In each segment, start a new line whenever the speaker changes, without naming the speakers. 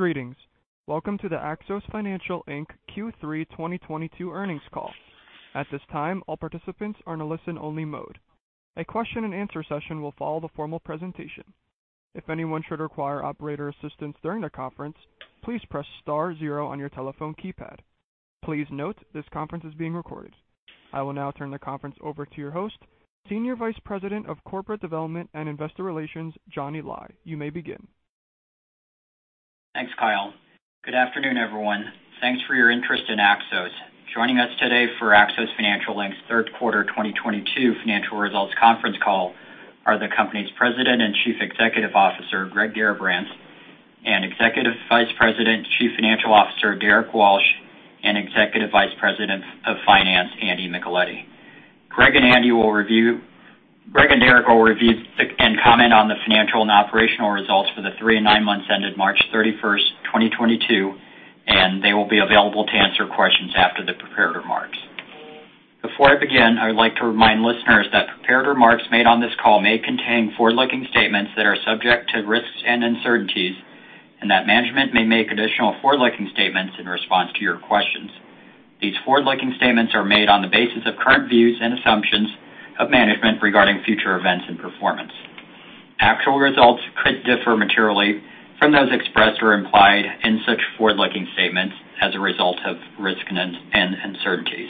Greetings. Welcome to the Axos Financial, Inc. Q3 2022 earnings call. At this time, all participants are in a listen-only mode. A question-and-answer session will follow the formal presentation. If anyone should require operator assistance during the conference, please press star zero on your telephone keypad. Please note, this conference is being recorded. I will now turn the conference over to your host, Senior Vice President of Corporate Development and Investor Relations, Johnny Lai. You may begin.
Thanks, Kyle. Good afternoon, everyone. Thanks for your interest in Axos. Joining us today for Axos Financial, Inc.'s third quarter 2022 financial results conference call are the company's President and Chief Executive Officer, Greg Garrabrants, and Executive Vice President, Chief Financial Officer, Derrick Walsh, and Executive Vice President of Finance, Andy Micheletti. Greg and Derrick will review and comment on the financial and operational results for the three and nine months ended March 31st, 2022, and they will be available to answer questions after the prepared remarks. Before I begin, I would like to remind listeners that prepared remarks made on this call may contain forward-looking statements that are subject to risks and uncertainties and that management may make additional forward-looking statements in response to your questions. These forward-looking statements are made on the basis of current views and assumptions of management regarding future events and performance. Actual results could differ materially from those expressed or implied in such forward-looking statements as a result of risks and uncertainties.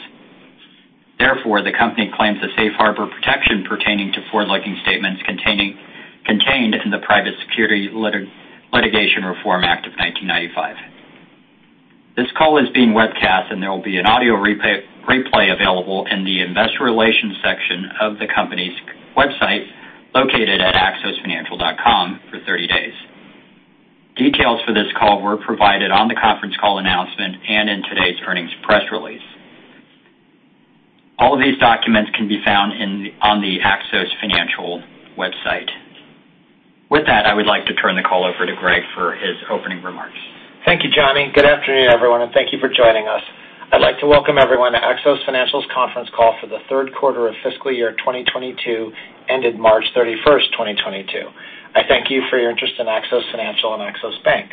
Therefore, the company claims a safe harbor protection pertaining to forward-looking statements contained in the Private Securities Litigation Reform Act of 1995. This call is being webcast, and there will be an audio replay available in the investor relations section of the company's website, located at axosfinancial.com, for 30 days. Details for this call were provided on the conference call announcement and in today's earnings press release. All of these documents can be found on the Axos Financial website. With that, I would like to turn the call over to Greg for his opening remarks.
Thank you, Johnny. Good afternoon, everyone, and thank you for joining us. I'd like to welcome everyone to Axos Financial's conference call for the third quarter of fiscal year 2022, ended March 31st, 2022. I thank you for your interest in Axos Financial and Axos Bank.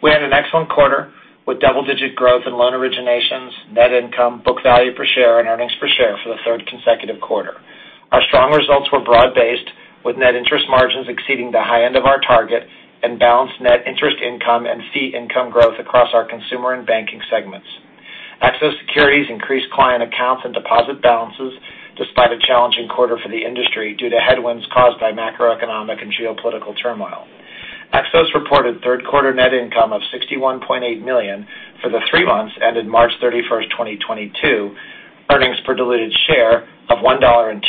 We had an excellent quarter with double-digit growth in loan originations, net income, book value per share, and earnings per share for the third consecutive quarter. Our strong results were broad-based, with net interest margins exceeding the high end of our target and balanced net interest income and fee income growth across our consumer and banking segments. Axos Securities increased client accounts and deposit balances despite a challenging quarter for the industry due to headwinds caused by macroeconomic and geopolitical turmoil. Axos reported third quarter net income of $61.8 million for the three months ended March 31st, 2022. Earnings per diluted share of $1.02,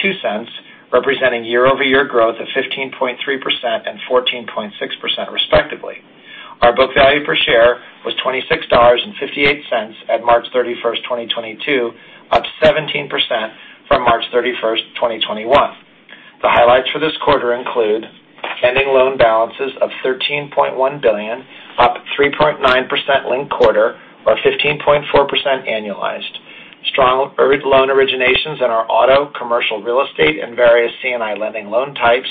representing year-over-year growth of 15.3% and 14.6% respectively. Our book value per share was $26.58 at March 31st, 2022, up 17% from March 31st, 2021. The highlights for this quarter include ending loan balances of $13.1 billion, up 3.9% linked quarter or 15.4% annualized. Strong early loan originations in our auto, commercial real estate, and various C&I lending loan types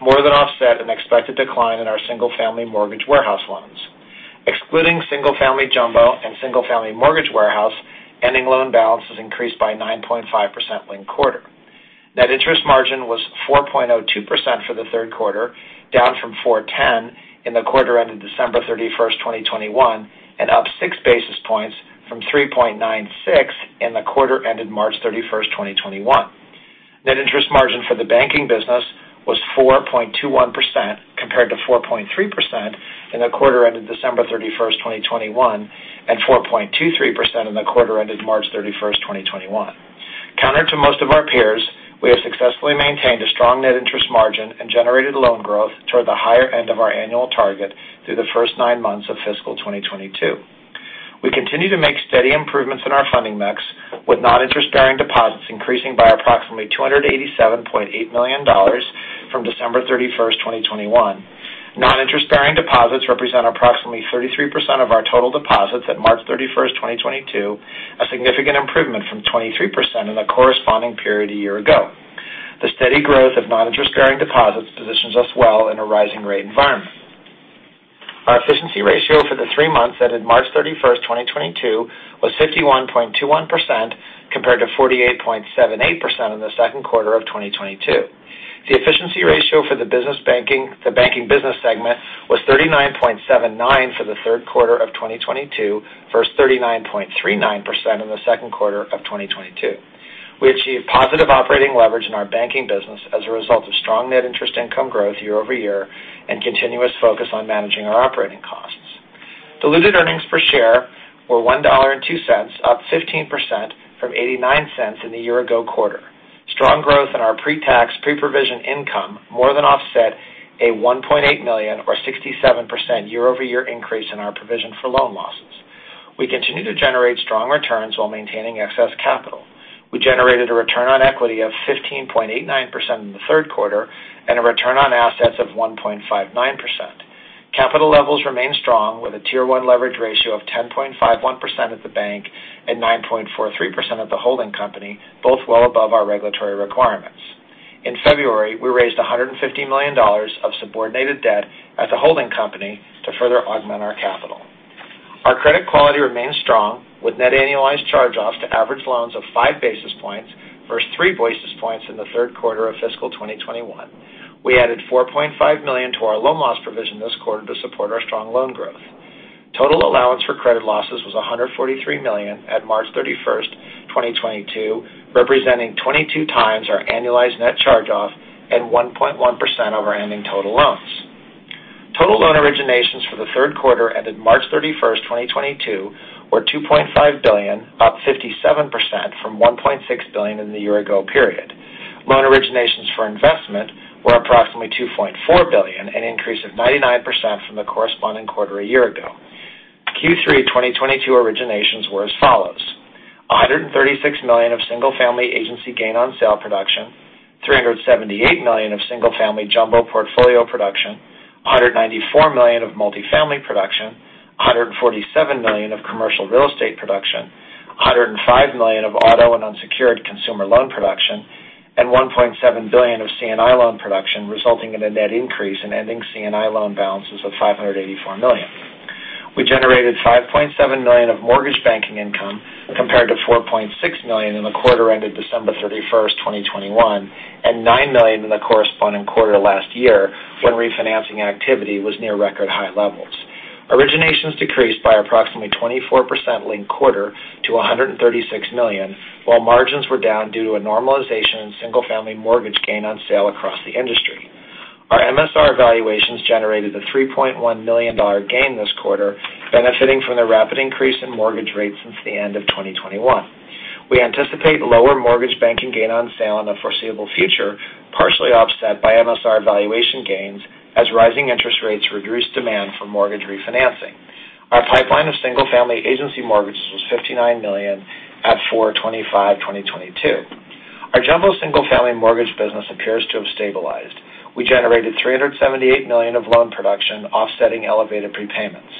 more than offset an expected decline in our single-family mortgage warehouse loans. Excluding single-family jumbo and single-family mortgage warehouse, ending loan balances increased by 9.5% linked quarter. Net interest margin was 4.02% for the third quarter, down from 4.10 in the quarter ended December 31, 2021, and up 6 basis points from 3.96 in the quarter ended March 31, 2021. Net interest margin for the banking business was 4.21% compared to 4.3% in the quarter ended December 31st, 2021, and 4.23% in the quarter ended March 31st, 2021. Counter to most of our peers, we have successfully maintained a strong net interest margin and generated loan growth toward the higher end of our annual target through the first nine months of fiscal 2022. We continue to make steady improvements in our funding mix, with non-interest-bearing deposits increasing by approximately $287.8 million from December 31st, 2021. Non-interest-bearing deposits represent approximately 33% of our total deposits at March 31st, 2022, a significant improvement from 23% in the corresponding period a year ago. The steady growth of non-interest-bearing deposits positions us well in a rising rate environment. Our efficiency ratio for the three months ended March 31st, 2022, was 51.21% compared to 48.78% in the second quarter of 2022. The efficiency ratio for the banking business segment was 39.79% for the third quarter of 2022 versus 39.39% in the second quarter of 2022. We achieved positive operating leverage in our banking business as a result of strong net interest income growth year over year and continuous focus on managing our operating costs. Diluted earnings per share were $1.02, up 15% from $0.89 in the year ago quarter. Strong growth in our pre-tax, pre-provision income more than offset a $1.8 million or 67% year-over-year increase in our provision for loan losses. We continue to generate strong returns while maintaining excess capital. We generated a return on equity of 15.89% in the third quarter and a return on assets of 1.59%. Capital levels remain strong with a Tier 1 leverage ratio of 10.51% at the bank and 9.43% at the holding company, both well above our regulatory requirements. In February, we raised $150 million of subordinated debt at the holding company to further augment our capital. Our credit quality remains strong, with net annualized charge-offs to average loans of 5 basis points versus 3 basis points in the third quarter of fiscal 2021. We added $4.5 million to our loan loss provision this quarter to support our strong loan growth. Total allowance for credit losses was $143 million at March 31st, 2022, representing 22 times our annualized net charge-off and 1.1% over ending total loans. Total loan originations for the third quarter ended March 31st, 2022, were $2.5 billion, up 57% from $1.6 billion in the year ago period. Loan originations for investment were approximately $2.4 billion, an increase of 99% from the corresponding quarter a year ago. Q3 2022 originations were as follows: $136 million of single-family agency gain on sale production, $378 million of single-family jumbo portfolio production, $194 million of multifamily production, $147 million of commercial real estate production, $105 million of auto and unsecured consumer loan production, and $1.7 billion of C&I loan production, resulting in a net increase in ending C&I loan balances of $584 million. We generated $5.7 million of mortgage banking income compared to $4.6 million in the quarter ended December 31st, 2021, and $9 million in the corresponding quarter last year when refinancing activity was near record high levels. Originations decreased by approximately 24% linked quarter to $136 million, while margins were down due to a normalization in single-family mortgage gain on sale across the industry. Our MSR valuations generated a $3.1 million gain this quarter, benefiting from the rapid increase in mortgage rates since the end of 2021. We anticipate lower mortgage banking gain on sale in the foreseeable future, partially offset by MSR valuation gains as rising interest rates reduce demand for mortgage refinancing. Our pipeline of single-family agency mortgages was $59 million at 4/25/2022. Our jumbo single-family mortgage business appears to have stabilized. We generated $378 million of loan production offsetting elevated prepayments.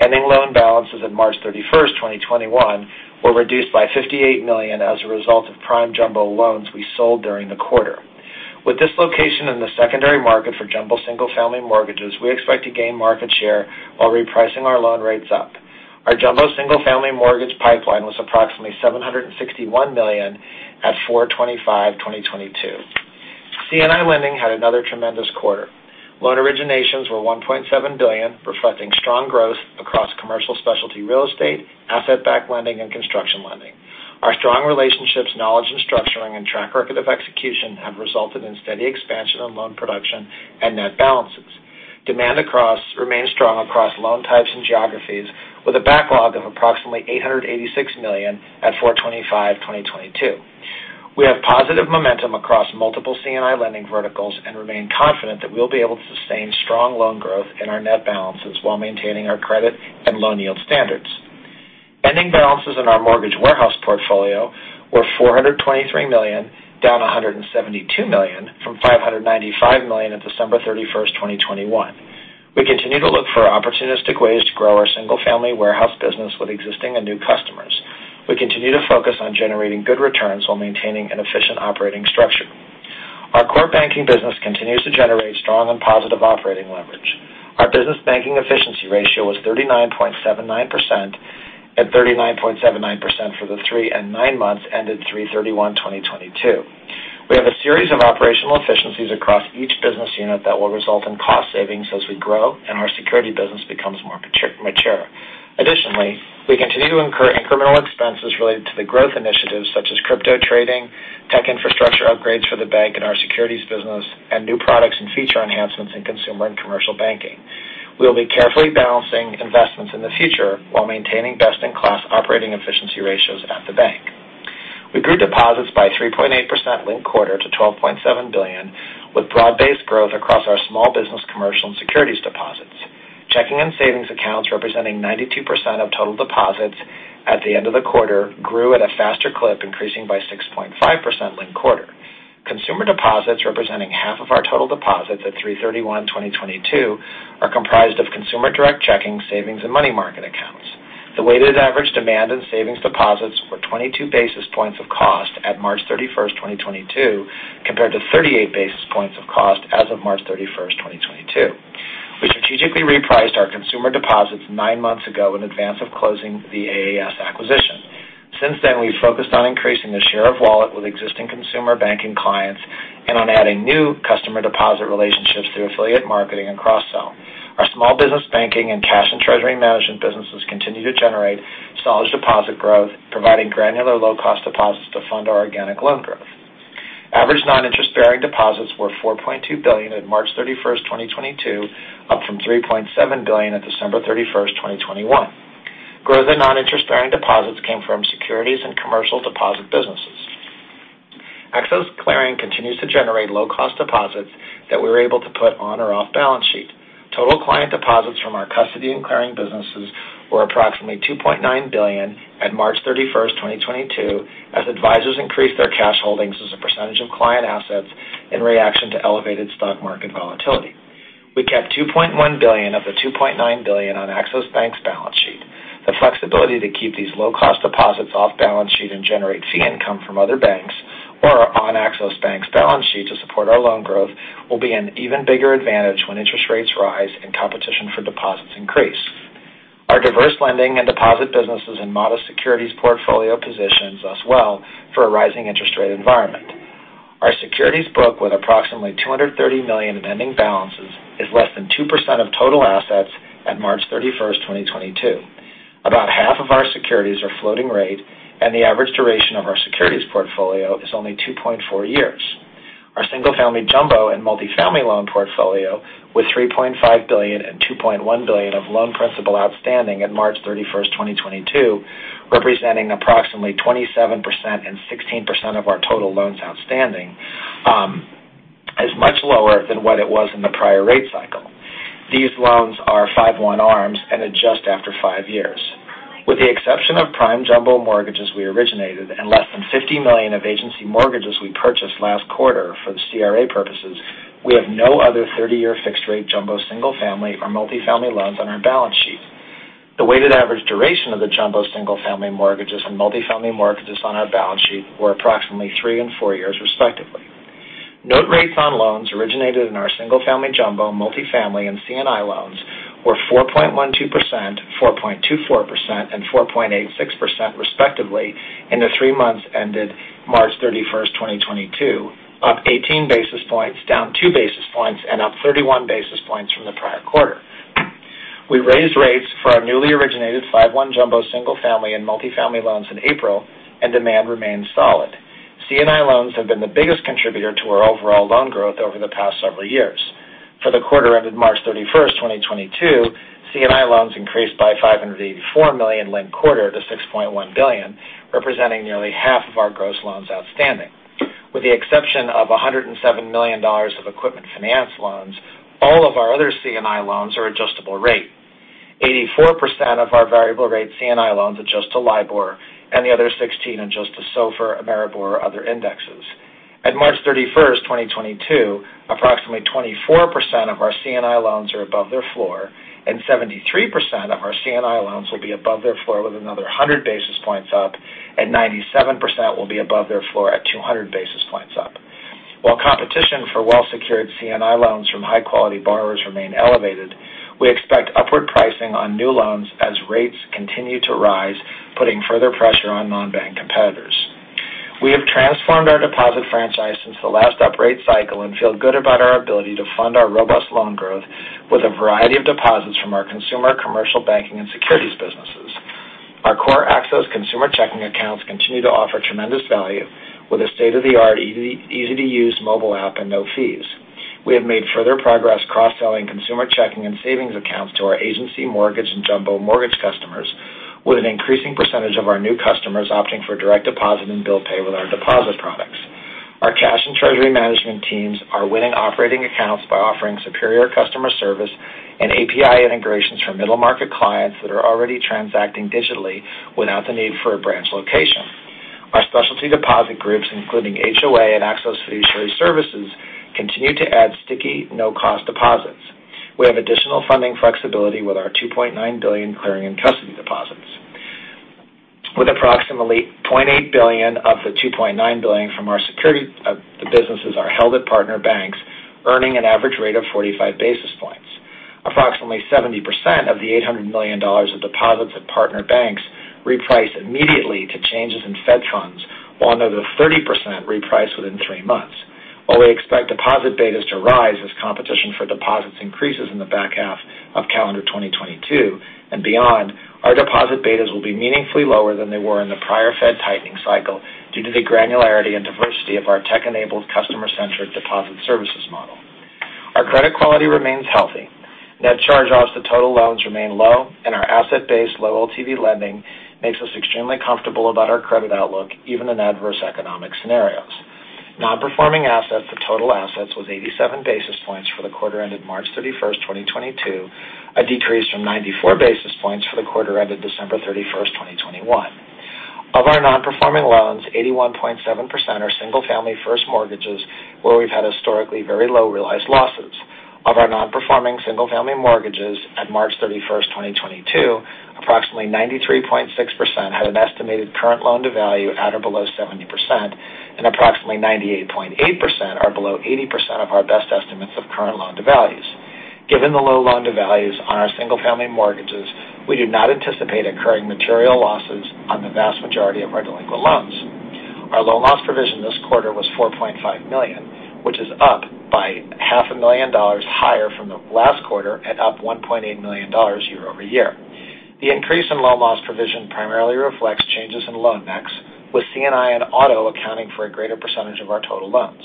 Ending loan balances at March 31st, 2021, were reduced by $58 million as a result of prime jumbo loans we sold during the quarter. With this location in the secondary market for jumbo single-family mortgages, we expect to gain market share while repricing our loan rates up. Our jumbo single-family mortgage pipeline was approximately $761 million at 4/25/2022. C&I lending had another tremendous quarter. Loan originations were $1.7 billion, reflecting strong growth across commercial specialty real estate, asset-backed lending, and construction lending. Our strong relationships, knowledge in structuring, and track record of execution have resulted in steady expansion of loan production and net balances. Demand remains strong across loan types and geographies with a backlog of approximately $886 million at 4/25/2022. We have positive momentum across multiple C&I lending verticals and remain confident that we'll be able to sustain strong loan growth in our net balances while maintaining our credit and loan yield standards. Ending balances in our mortgage warehouse portfolio were $423 million, down $172 million from $595 million at December 31st, 2021. We continue to look for opportunistic ways to grow our single-family warehouse business with existing and new customers. We continue to focus on generating good returns while maintaining an efficient operating structure. Our core banking business continues to generate strong and positive operating leverage. Our business banking efficiency ratio was 39.79% and 39.79% for the three and nine months ended 3/31/2022. We have a series of operational efficiencies across each business unit that will result in cost savings as we grow and our securities business becomes more mature. We continue to incur incremental expenses related to the growth initiatives such as crypto trading, tech infrastructure upgrades for the bank and our securities business, and new products and feature enhancements in consumer and commercial banking. We'll be carefully balancing investments in the future while maintaining best-in-class operating efficiency ratios at the bank. We grew deposits by 3.8% linked quarter to $12.7 billion, with broad-based growth across our small business, commercial, and securities deposits. Checking and savings accounts, representing 92% of total deposits at the end of the quarter, grew at a faster clip, increasing by 6.5% linked quarter. Consumer deposits, representing half of our total deposits at 3/31/2022, are comprised of consumer direct checking, savings, and money market accounts. The weighted average demand in savings deposits were 22 basis points of cost at March 31st, 2022, compared to 38 basis points of cost as of March 31st, 2022. We strategically repriced our consumer deposits nine months ago in advance of closing the AAS acquisition. Since then, we've focused on increasing the share of wallet with existing consumer banking clients and on adding new customer deposit relationships through affiliate marketing and cross-sell. Our small business banking and cash and treasury management businesses continue to generate solid deposit growth, providing granular low-cost deposits to fund our organic loan growth. Average non-interest-bearing deposits were $4.2 billion at March 31st, 2022, up from $3.7 billion at December 31st, 2021. Growth in non-interest-bearing deposits came from securities and commercial deposit businesses. Axos Clearing continues to generate low-cost deposits that we're able to put on or off-balance sheet. Total client deposits from our custody and clearing businesses were approximately $2.9 billion at March 31st, 2022, as advisors increased their cash holdings as a percentage of client assets in reaction to elevated stock market volatility. We kept $2.1 billion of the $2.9 billion. Ability to keep these low-cost deposits off balance sheet and generate fee income from other banks or on Axos Bank's balance sheet to support our loan growth will be an even bigger advantage when interest rates rise and competition for deposits increase. Our diverse lending and deposit businesses and modest securities portfolio positions us well for a rising interest rate environment. Our securities book with approximately $230 million in ending balances is less than 2% of total assets at March 31st, 2022. About half of our securities are floating rate, and the average duration of our securities portfolio is only 2.4 years. Our single-family jumbo and multifamily loan portfolio with $3.5 billion and $2.1 billion of loan principal outstanding at March 31st, 2022, representing approximately 27% and 16% of our total loans outstanding, is much lower than what it was in the prior rate cycle. These loans are 5/1 ARMs and adjust after five years. With the exception of prime jumbo mortgages, we originated and less than $50 million of agency mortgages we purchased last quarter for the CRA purposes, we have no other 30-year fixed-rate jumbo single-family or multifamily loans on our balance sheet. The weighted average duration of the jumbo single-family mortgages and multifamily mortgages on our balance sheet were approximately three and four years, respectively. Note rates on loans originated in our single-family jumbo, multifamily, and C&I loans were 4.12%, 4.24%, and 4.86% respectively in the three months ended March 31st, 2022, up 18 basis points, down 2 basis points, and up 31 basis points from the prior quarter. We raised rates for our newly originated 5/1 jumbo single-family and multifamily loans in April, and demand remained solid. C&I loans have been the biggest contributor to our overall loan growth over the past several years. For the quarter ended March 31st, 2022, C&I loans increased by $584 million linked quarter to $6.1 billion, representing nearly half of our gross loans outstanding. With the exception of $107 million of equipment finance loans, all of our other C&I loans are adjustable rate. 84% of our variable rate C&I loans adjust to LIBOR, and the other 16 adjust to SOFR, Ameribor, or other indexes. At March 31st, 2022, approximately 24% of our C&I loans are above their floor, and 73% of our C&I loans will be above their floor with another 100 basis points up, and 97% will be above their floor at 200 basis points up. While competition for well-secured C&I loans from high-quality borrowers remain elevated, we expect upward pricing on new loans as rates continue to rise, putting further pressure on non-bank competitors. We have transformed our deposit franchise since the last uprate cycle and feel good about our ability to fund our robust loan growth with a variety of deposits from our consumer commercial banking and securities businesses. Our core Axos consumer checking accounts continue to offer tremendous value with a state-of-the-art, easy-to-use mobile app and no fees. We have made further progress cross-selling consumer checking and savings accounts to our agency mortgage and jumbo mortgage customers with an increasing percentage of our new customers opting for direct deposit and Bill Pay with our deposit products. Our cash and treasury management teams are winning operating accounts by offering superior customer service and API integrations for middle-market clients that are already transacting digitally without the need for a branch location. Our specialty deposit groups, including HOA and Axos Fiduciary Services, continue to add sticky no-cost deposits. We have additional funding flexibility with our $2.9 billion clearing and custody deposits. With approximately $0.8 billion of the $2.9 billion from our securities businesses are held at partner banks, earning an average rate of 45 basis points. Approximately 70% of the $800 million of deposits at partner banks reprice immediately to changes in Fed funds, while another 30% reprice within three months. While we expect deposit betas to rise as competition for deposits increases in the back half of calendar 2022 and beyond, our deposit betas will be meaningfully lower than they were in the prior Fed tightening cycle due to the granularity and diversity of our tech-enabled customer-centric deposit services model. Our credit quality remains healthy. Net charge-offs to total loans remain low, and our asset-based low LTV lending makes us extremely comfortable about our credit outlook even in adverse economic scenarios. Non-performing assets to total assets was 87 basis points for the quarter ended March 31st, 2022, a decrease from 94 basis points for the quarter ended December 31st, 2021. Of our non-performing loans, 81.7% are single-family first mortgages where we've had historically very low realized losses. Of our non-performing single-family mortgages at March 31st, 2022, approximately 93.6% had an estimated current loan to value at or below 70%, and approximately 98.8% are below 80% of our best estimates of current loan to values. Given the low loan to values on our single-family mortgages, we do not anticipate incurring material losses on the vast majority of our delinquent loans. Our loan loss provision this quarter was $4.5 million, which is up by half a million dollars higher from the last quarter and up $1.8 million year-over-year. The increase in loan loss provision primarily reflects changes in loan mix, with C&I and auto accounting for a greater percentage of our total loans.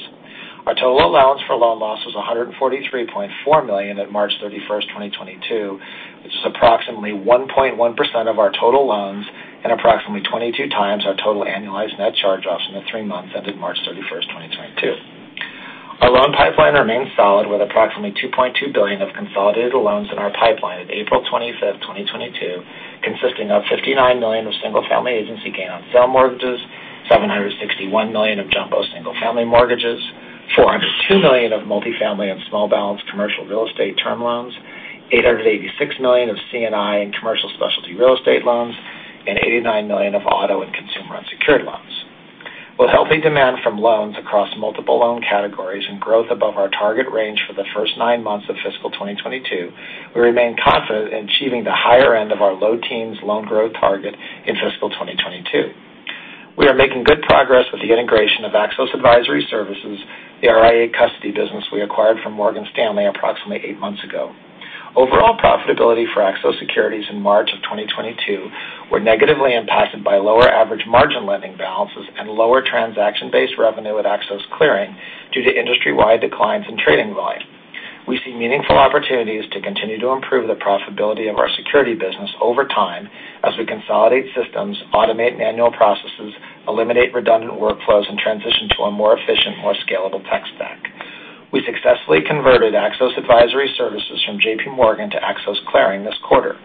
Our total allowance for loan loss was $143.4 million at March 31st, 2022. This is approximately 1.1% of our total loans and approximately 22 times our total annualized net charge-offs in the three months ended March 31st, 2022. Our loan pipeline remains solid with approximately $2.2 billion of consolidated loans in our pipeline at April 25th, 2022, consisting of $59 million of single-family agency gain-on-sale mortgages, $761 million of jumbo single-family mortgages, $402 million of multifamily and small balance commercial real estate term loans, $886 million of C&I and commercial specialty real estate loans, and $89 million of auto and consumer unsecured loans. With healthy demand from loans across multiple loan categories and growth above our target range for the first nine months of fiscal 2022, we remain confident in achieving the higher end of our low teens loan growth target in fiscal 2022. We are making good progress with the integration of Axos Advisor Services, the RIA custody business we acquired from Morgan Stanley approximately eight months ago. Overall profitability for Axos Securities in March 2022 were negatively impacted by lower average margin lending balances and lower transaction-based revenue at Axos Clearing due to industry-wide declines in trading volume. We see meaningful opportunities to continue to improve the profitability of our security business over time as we consolidate systems, automate manual processes, eliminate redundant workflows, and transition to a more efficient, more scalable tech stack. We successfully converted Axos Advisor Services from JPMorgan to Axos Clearing this quarter.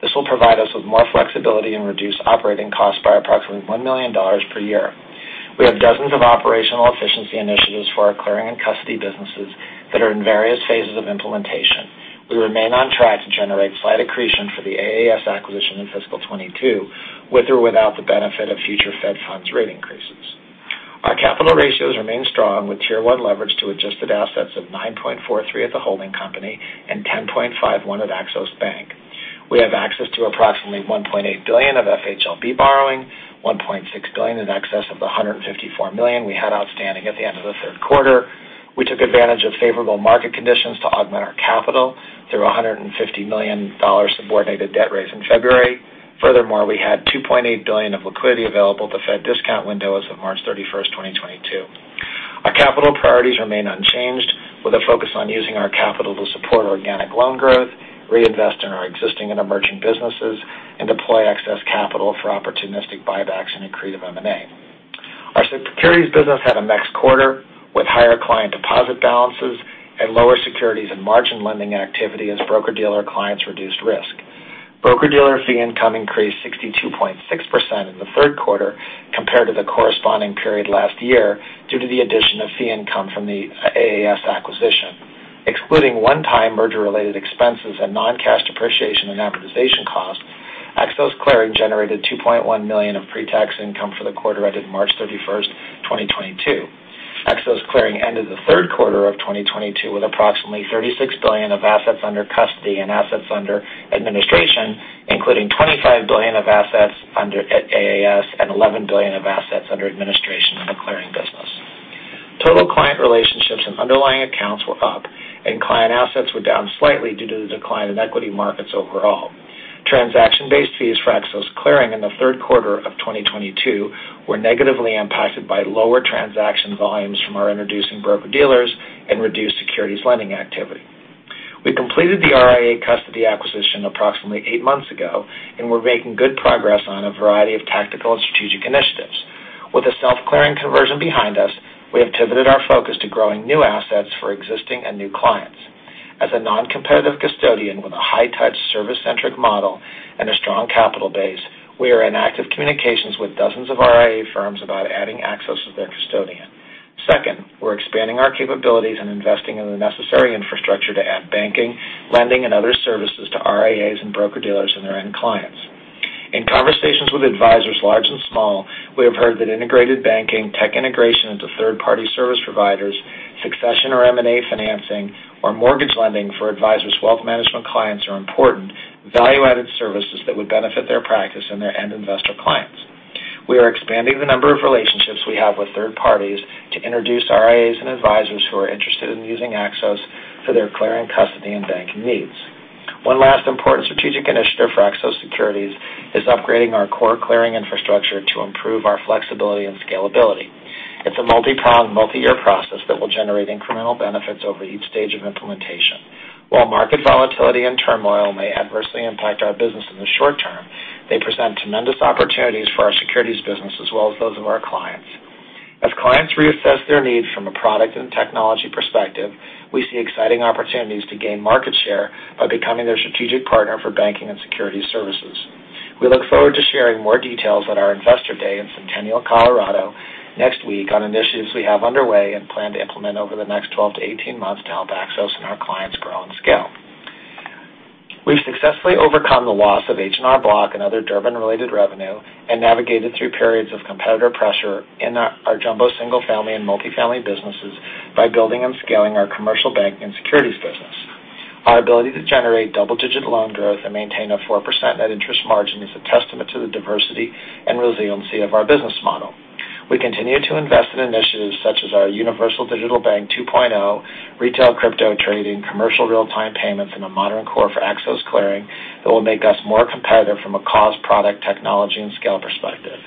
This will provide us with more flexibility and reduce operating costs by approximately $1 million per year. We have dozens of operational efficiency initiatives for our clearing and custody businesses that are in various phases of implementation. We remain on track to generate slight accretion for the AAS acquisition in fiscal 2022, with or without the benefit of future Fed funds rate increases. Our capital ratios remain strong with Tier 1 leverage to adjusted assets of 9.43 at the holding company and 10.51 at Axos Bank. We have access to approximately $1.8 billion of FHLB borrowing, $1.6 billion in excess of the $154 million we had outstanding at the end of the third quarter. We took advantage of favorable market conditions to augment our capital through a $150 million subordinated debt raise in February. Furthermore, we had $2.8 billion of liquidity available at the Fed discount window as of March 31st, 2022. Our capital priorities remain unchanged, with a focus on using our capital to support organic loan growth, reinvest in our existing and emerging businesses, and deploy excess capital for opportunistic buybacks and accretive M&A. Our securities business had a mixed quarter with higher client deposit balances and lower securities and margin lending activity as broker-dealer clients reduced risk. Broker-dealer fee income increased 62.6% in the third quarter compared to the corresponding period last year due to the addition of fee income from the AAS acquisition. Excluding one-time merger-related expenses and non-cash depreciation and amortization costs, Axos Clearing generated $2.1 million of pre-tax income for the quarter ended March 31st, 2022. Axos Clearing ended the third quarter of 2022 with approximately $36 billion of assets under custody and assets under administration, including $25 billion of assets under administration at AAS and $11 billion of assets under administration in the clearing business. Total client relationships and underlying accounts were up, and client assets were down slightly due to the decline in equity markets overall. Transaction-based fees for Axos Clearing in the third quarter of 2022 were negatively impacted by lower transaction volumes from our introducing broker-dealers and reduced securities lending activity. We completed the RIA custody acquisition approximately 8 months ago, and we're making good progress on a variety of tactical and strategic initiatives. With a self-clearing conversion behind us, we have pivoted our focus to growing new assets for existing and new clients. As a non-competitive custodian with a high-touch service-centric model and a strong capital base, we are in active communications with dozens of RIA firms about adding Axos as their custodian. Second, we're expanding our capabilities and investing in the necessary infrastructure to add banking, lending, and other services to RIAs and broker-dealers and their end clients. In conversations with advisors large and small, we have heard that integrated banking, tech integration into third-party service providers, succession or M&A financing, or mortgage lending for advisors' wealth management clients are important value-added services that would benefit their practice and their end investor clients. We are expanding the number of relationships we have with third parties to introduce RIAs and advisors who are interested in using Axos for their clearing, custody, and banking needs. One last important strategic initiative for Axos Securities is upgrading our core clearing infrastructure to improve our flexibility and scalability. It's a multi-pronged, multi-year process that will generate incremental benefits over each stage of implementation. While market volatility and turmoil may adversely impact our business in the short term, they present tremendous opportunities for our securities business as well as those of our clients. As clients reassess their needs from a product and technology perspective, we see exciting opportunities to gain market share by becoming their strategic partner for banking and security services. We look forward to sharing more details at our Investor Day in Centennial, Colorado, next week on initiatives we have underway and plan to implement over the next 12-18 months to help Axos and our clients grow and scale. We've successfully overcome the loss of H&R Block and other Durbin-related revenue and navigated through periods of competitor pressure in our jumbo single-family and multifamily businesses by building and scaling our commercial bank and securities business. Our ability to generate double-digit loan growth and maintain a 4% net interest margin is a testament to the diversity and resiliency of our business model. We continue to invest in initiatives such as our Universal Digital Bank 2.0, retail crypto trading, commercial real-time payments, and a modern core for Axos Clearing that will make us more competitive from a cost, product, technology, and scale perspective.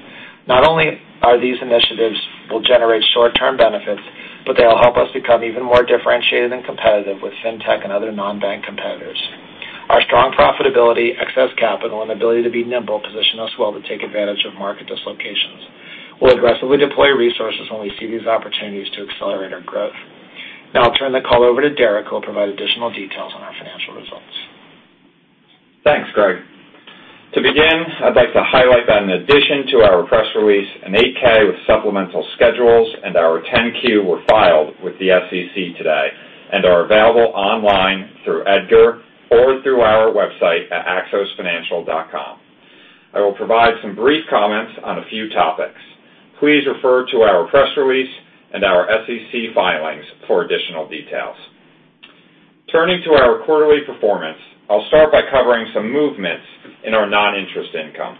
Not only are these initiatives will generate short-term benefits, but they'll help us become even more differentiated and competitive with Fintech and other non-bank competitors. Our strong profitability, excess capital, and ability to be nimble position us well to take advantage of market dislocations. We'll aggressively deploy resources when we see these opportunities to accelerate our growth. Now I'll turn the call over to Derrick, who will provide additional details on the quarter.
Thanks, Greg. To begin, I'd like to highlight that in addition to our press release, an 8-K with supplemental schedules and our 10-Q were filed with the SEC today and are available online through EDGAR or through our website at axosfinancial.com. I will provide some brief comments on a few topics. Please refer to our press release and our SEC filings for additional details. Turning to our quarterly performance, I'll start by covering some movements in our non-interest income.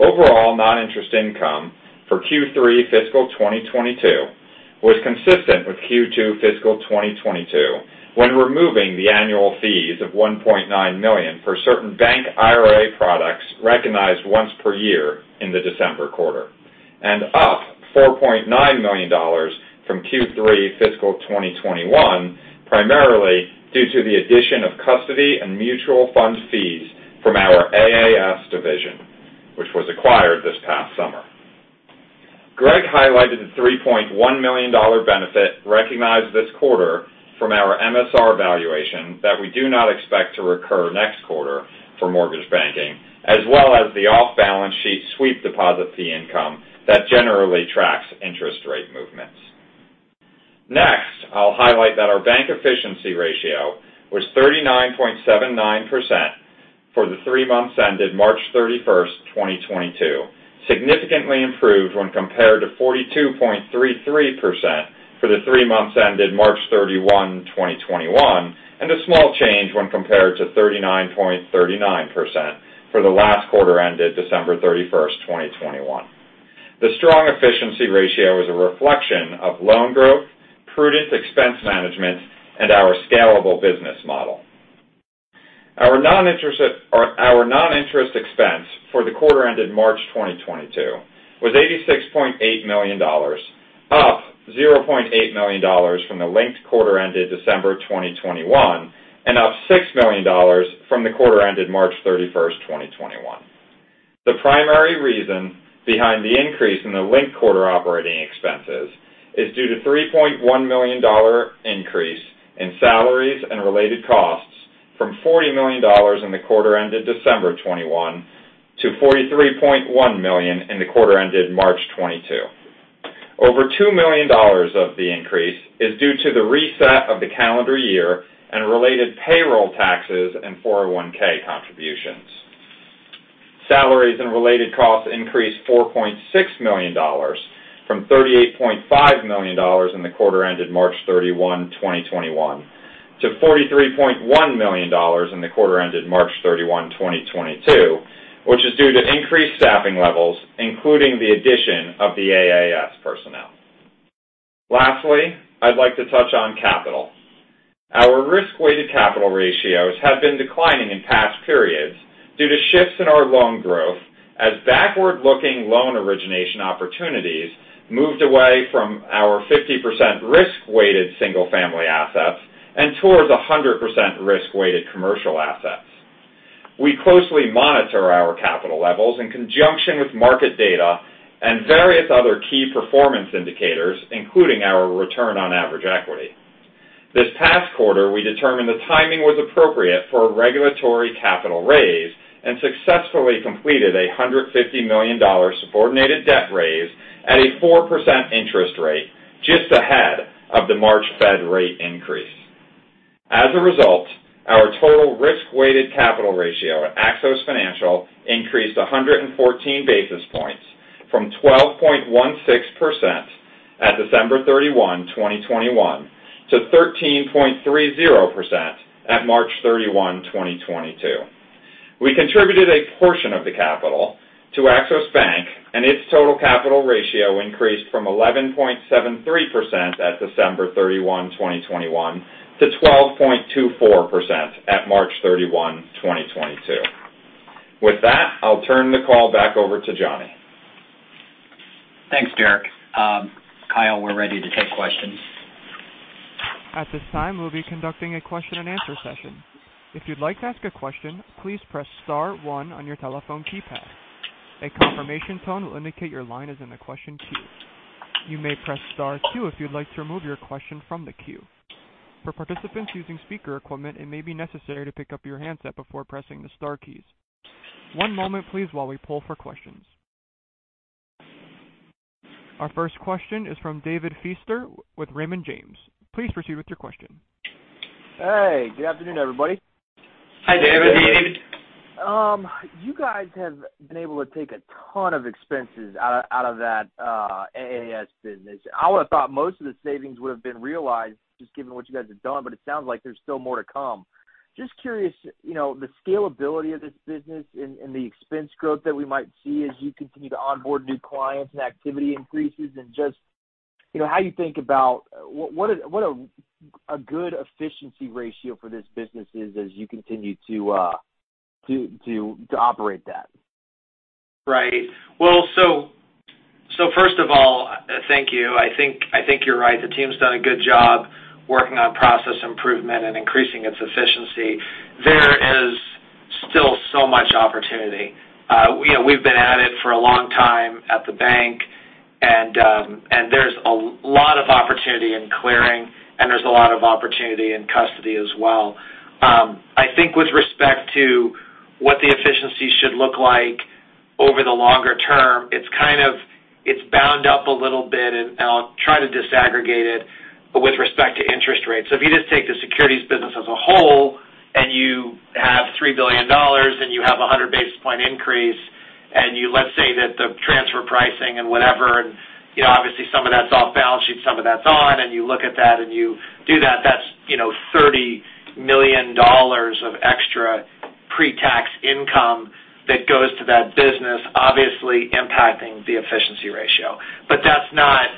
Overall non-interest income for Q3 fiscal 2022 was consistent with Q2 fiscal 2022 when removing the annual fees of $1.9 million for certain bank IRA products recognized once per year in the December quarter, and up $4.9 million from Q3 fiscal 2021, primarily due to the addition of custody and mutual fund fees from our AAS division, which was acquired this past summer. Greg highlighted the $3.1 million benefit recognized this quarter from our MSR valuation that we do not expect to recur next quarter for mortgage banking, as well as the off-balance sheet sweep deposit fee income that generally tracks interest rate movements. Next, I'll highlight that our bank efficiency ratio was 39.79% for the three months ended March 31, 2022, significantly improved when compared to 42.33% for the three months ended March 31st, 2021, and a small change when compared to 39.39% for the last quarter ended December 31st, 2021. The strong efficiency ratio is a reflection of loan growth, prudent expense management, and our scalable business model. Our non-interest expense for the quarter ended March 2022 was $86.8 million, up $0.8 million from the linked quarter ended December 2021, and up $6 million from the quarter ended March 31st, 2021. The primary reason behind the increase in the linked quarter operating expenses is due to $3.1 million increase in salaries and related costs from $40 million in the quarter ended December 2021 to $43.1 million in the quarter ended March 2022. Over $2 million of the increase is due to the reset of the calendar year and related payroll taxes and 401(k) contributions. Salaries and related costs increased $4.6 million from $38.5 million in the quarter ended March 31, 2021 to $43.1 million in the quarter ended March 31, 2022, which is due to increased staffing levels, including the addition of the AAS personnel. Lastly, I'd like to touch on capital. Our risk-weighted capital ratios have been declining in past periods due to shifts in our loan growth as backward-looking loan origination opportunities moved away from our 50% risk-weighted single-family assets and towards 100% risk-weighted commercial assets. We closely monitor our capital levels in conjunction with market data and various other key performance indicators, including our return on average equity. This past quarter, we determined the timing was appropriate for a regulatory capital raise and successfully completed a $150 million subordinated debt raise at a 4% interest rate just ahead of the March Fed rate increase. As a result, our total risk-weighted capital ratio at Axos Financial increased 114 basis points from 12.16% at December 31, 2021, to 13.30% at March 31, 2022. We contributed a portion of the capital to Axos Bank, and its total capital ratio increased from 11.73% at December 31, 2021, to 12.24% at March 31, 2022. With that, I'll turn the call back over to Johnny.
Thanks, Derrick. Kyle, we're ready to take questions.
At this time, we'll be conducting a question and answer session. If you'd like to ask a question, please press star one on your telephone keypad. A confirmation tone will indicate your line is in the question queue. You may press star two if you'd like to remove your question from the queue. For participants using speaker equipment, it may be necessary to pick up your handset before pressing the star keys. One moment please while we pull for questions. Our first question is from David Feaster with Raymond James. Please proceed with your question.
Hey, good afternoon, everybody.
Hi, David.
Good afternoon.
You guys have been able to take a ton of expenses out of that AAS business. I would have thought most of the savings would have been realized just given what you guys have done, but it sounds like there's still more to come. Just curious, you know, the scalability of this business and the expense growth that we might see as you continue to onboard new clients and activity increases. Just, you know, how you think about what a good efficiency ratio for this business is as you continue to operate that.
Right. Well, first of all, thank you. I think you're right. The team's done a good job working on process improvement and increasing its efficiency. There is still so much opportunity. You know, we've been at it for a long time at the bank. Of opportunity in clearing, and there's a lot of opportunity in custody as well. I think with respect to what the efficiency should look like over the longer term, it's bound up a little bit, and I'll try to disaggregate it with respect to interest rates. If you just take the securities business as a whole and you have $3 billion and you have a 100 basis point increase, let's say that the transfer pricing and whatever, you know, obviously some of that's off balance sheet, some of that's on, and you look at that and you do that's, you know, $30 million of extra pre-tax income that goes to that business, obviously impacting the efficiency ratio. That's not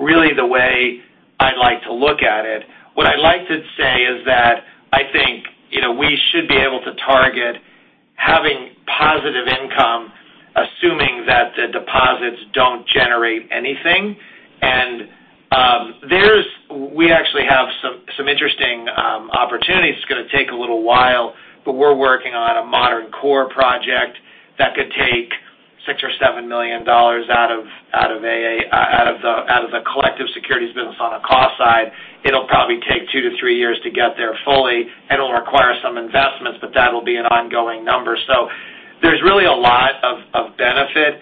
really the way I like to look at it. What I like to say is that I think, you know, we should be able to target having positive income, assuming that the deposits don't generate anything. We actually have some interesting opportunities. It's gonna take a little while, but we're working on a modern core project that could take $6 million-$7 million out of the collective securities business on a cost side. It'll probably take two-three years to get there fully, and it'll require some investments, but that'll be an ongoing number. There's really a lot of benefit.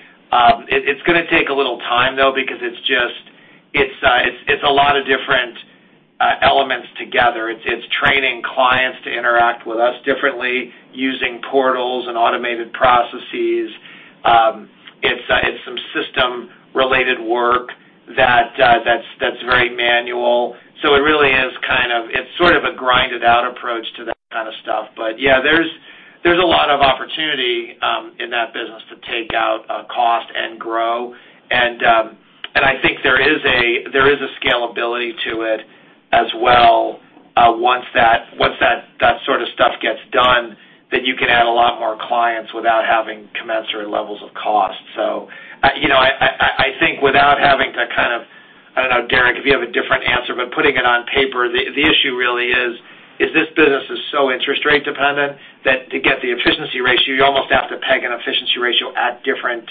It's gonna take a little time though because it's a lot of different elements together. It's training clients to interact with us differently using portals and automated processes. It's some system related work that's very manual. It really is sort of a grinded out approach to that kind of stuff. Yeah, there's a lot of opportunity in that business to take out cost and grow. I think there is a scalability to it as well, once that sort of stuff gets done, then you can add a lot more clients without having commensurate levels of cost. You know, I think without having to kind of. I don't know, Derrick, if you have a different answer, but putting it on paper, the issue really is this business is so interest rate dependent that to get the efficiency ratio, you almost have to peg an efficiency ratio at different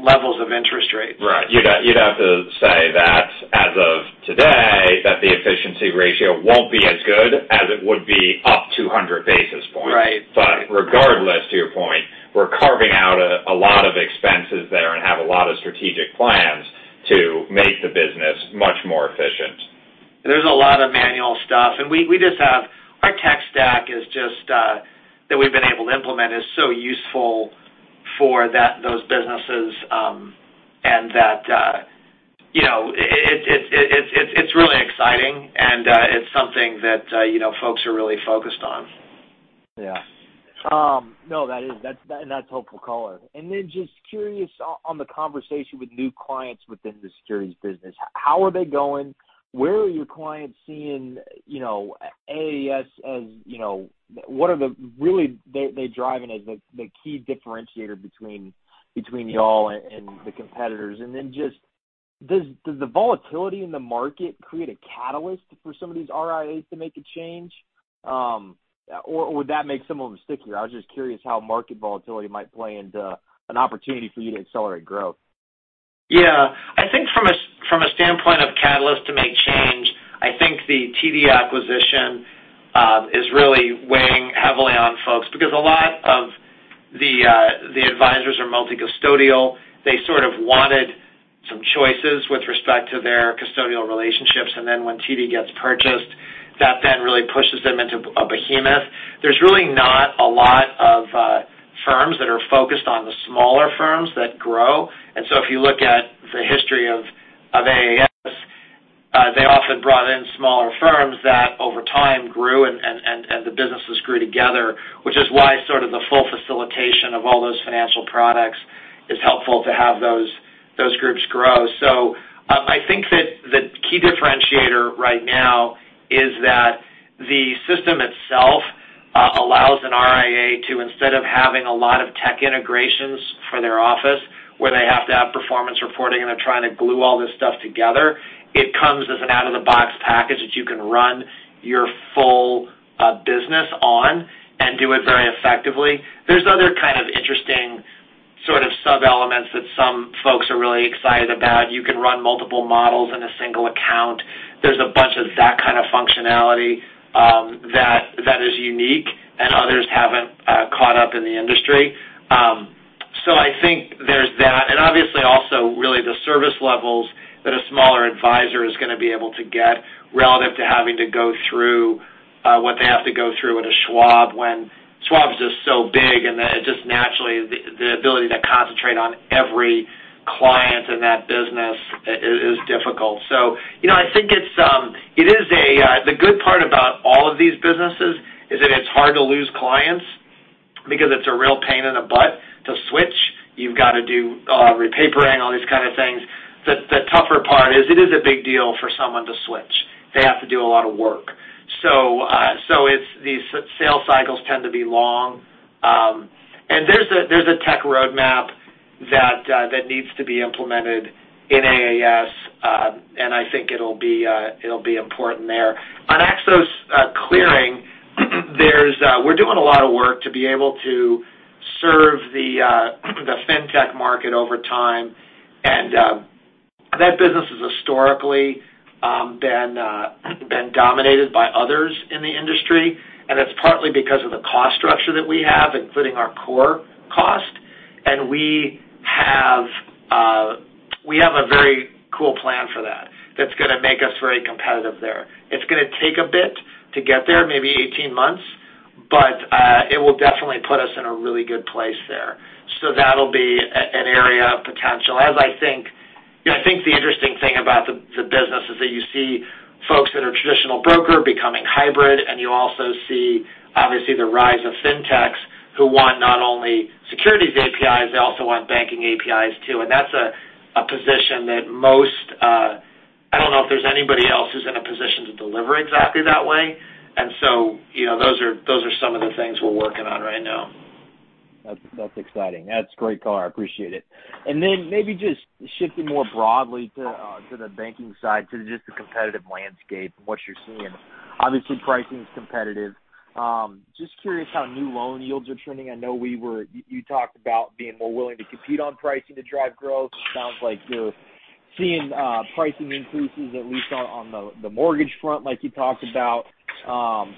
levels of interest rates.
Right. You'd have to say that as of today, that the efficiency ratio won't be as good as it would be up 200 basis points.
Right.
Regardless, to your point, we're carving out a lot of expenses there and have a lot of strategic plans to make the business much more efficient.
There's a lot of manual stuff. Our tech stack is just that we've been able to implement is so useful for those businesses, and that, you know, it's really exciting and it's something that, you know, folks are really focused on.
Yeah. No, that is. That's helpful color. Then just curious on the conversation with new clients within the securities business. How are they going? Where are your clients seeing, you know, AAS as, you know, what are they really driving as the key differentiator between y'all and the competitors. Then just, does the volatility in the market create a catalyst for some of these RIAs to make a change, or would that make some of them stickier? I was just curious how market volatility might play into an opportunity for you to accelerate growth.
Yeah. I think from a standpoint of catalyst to make change, I think the TD acquisition is really weighing heavily on folks because a lot of the advisors are multi-custodial. They sort of wanted some choices with respect to their custodial relationships, and then when TD gets purchased, that then really pushes them into a behemoth. There's really not a lot of firms that are focused on the smaller firms that grow. If you look at the history of AAS, they often brought in smaller firms that over time grew and the businesses grew together, which is why sort of the full facilitation of all those financial products is helpful to have those groups grow. I think that the key differentiator right now is that the system itself allows an RIA to, instead of having a lot of tech integrations for their office, where they have to have performance reporting and they're trying to glue all this stuff together, it comes as an out-of-the-box package that you can run your full business on and do it very effectively. There's other kind of interesting sort of sub-elements that some folks are really excited about. You can run multiple models in a single account. There's a bunch of that kind of functionality that that is unique and others haven't caught up in the industry. I think there's that. Obviously also really the service levels that a smaller advisor is gonna be able to get relative to having to go through what they have to go through with Schwab when Schwab is just so big and it just naturally the ability to concentrate on every client in that business is difficult. The good part about all of these businesses is that it's hard to lose clients because it's a real pain in the butt to switch. You've got to do repapering, all these kinds of things. The tougher part is it is a big deal for someone to switch. They have to do a lot of work. It's these sales cycles tend to be long. There's a tech roadmap that needs to be implemented in AAS, and I think it'll be important there. To be able to serve the Fintech market over time. That business has historically been dominated by others in the industry, and it's partly because of the cost structure that we have, including our core cost. We have a very cool plan for that's gonna make us very competitive there. It's gonna take a bit to get there, maybe 18 months, but it will definitely put us in a really good place there. That'll be an area of potential. As I think... You know, I think the interesting thing about the business is that you see folks that are traditional broker becoming hybrid, and you also see, obviously, the rise of Fintechs, who want not only securities APIs, they also want banking APIs too. That's a position that most, I don't know if there's anybody else who's in a position to deliver exactly that way. You know, those are some of the things we're working on right now.
That's exciting. That's great, Color. I appreciate it. Maybe just shifting more broadly to the banking side to just the competitive landscape and what you're seeing. Obviously, pricing is competitive. Just curious how new loan yields are trending. I know you talked about being more willing to compete on pricing to drive growth. Sounds like you're seeing pricing increases, at least on the mortgage front, like you talked about.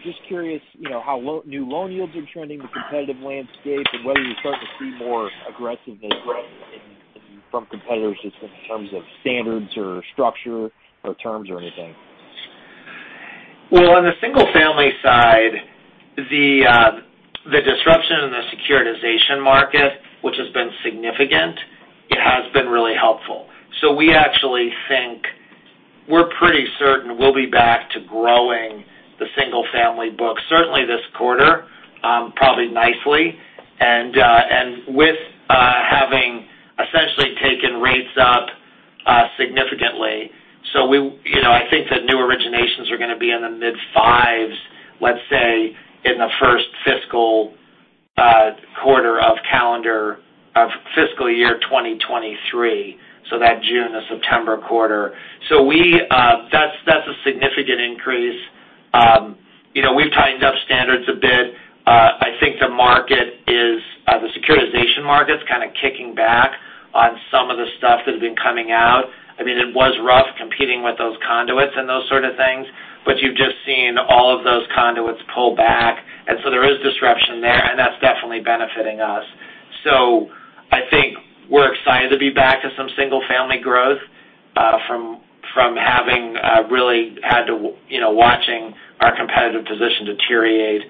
Just curious, you know, how new loan yields are trending the competitive landscape, and whether you're starting to see more aggressiveness in from competitors just in terms of standards or structure or terms or anything.
Well, on the single-family side, the disruption in the securitization market, which has been significant, it has been really helpful. We actually think we're pretty certain we'll be back to growing the single-family book, certainly this quarter, probably nicely. And with having essentially taken rates up significantly. You know, I think the new originations are gonna be in the mid fives, let's say, in the first fiscal quarter of fiscal year 2023, so that June to September quarter. We that's a significant increase. You know, we've tightened up standards a bit. I think the securitization market's kinda kicking back on some of the stuff that has been coming out. I mean, it was rough competing with those conduits and those sorts of things, but you've just seen all of those conduits pull back. There is disruption there, and that's definitely benefiting us. I think we're excited to be back to some single-family growth, from having really had to, you know, watch our competitive position deteriorate,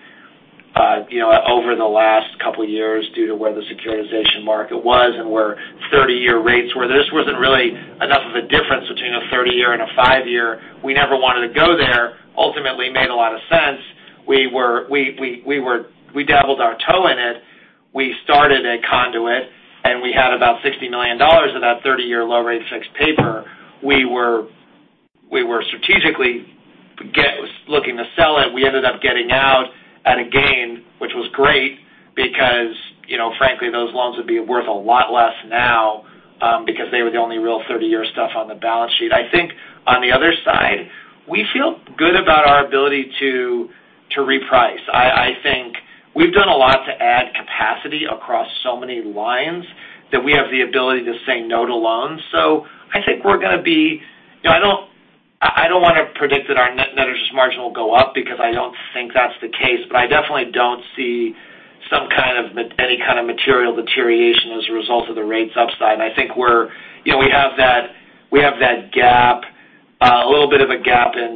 you know, over the last couple years due to where the securitization market was and where 30-year rates were. There just wasn't really enough of a difference between a 30-year and a five-year. We never wanted to go there. Ultimately, it made a lot of sense. We dabbled our toe in it. We started a conduit, and we had about $60 million of that 30-year low-rate fixed paper. We were strategically looking to sell it. We ended up getting out at a gain, which was great because, you know, frankly, those loans would be worth a lot less now, because they were the only real 30-year stuff on the balance sheet. I think on the other side, we feel good about our ability to reprice. I think we've done a lot to add capacity across so many lines that we have the ability to say no to loans. I think we're gonna be. You know, I don't wanna predict that our net interest margin will go up because I don't think that's the case, but I definitely don't see any kind of material deterioration as a result of the rates upside. I think we're. You know, we have that gap, a little bit of a gap in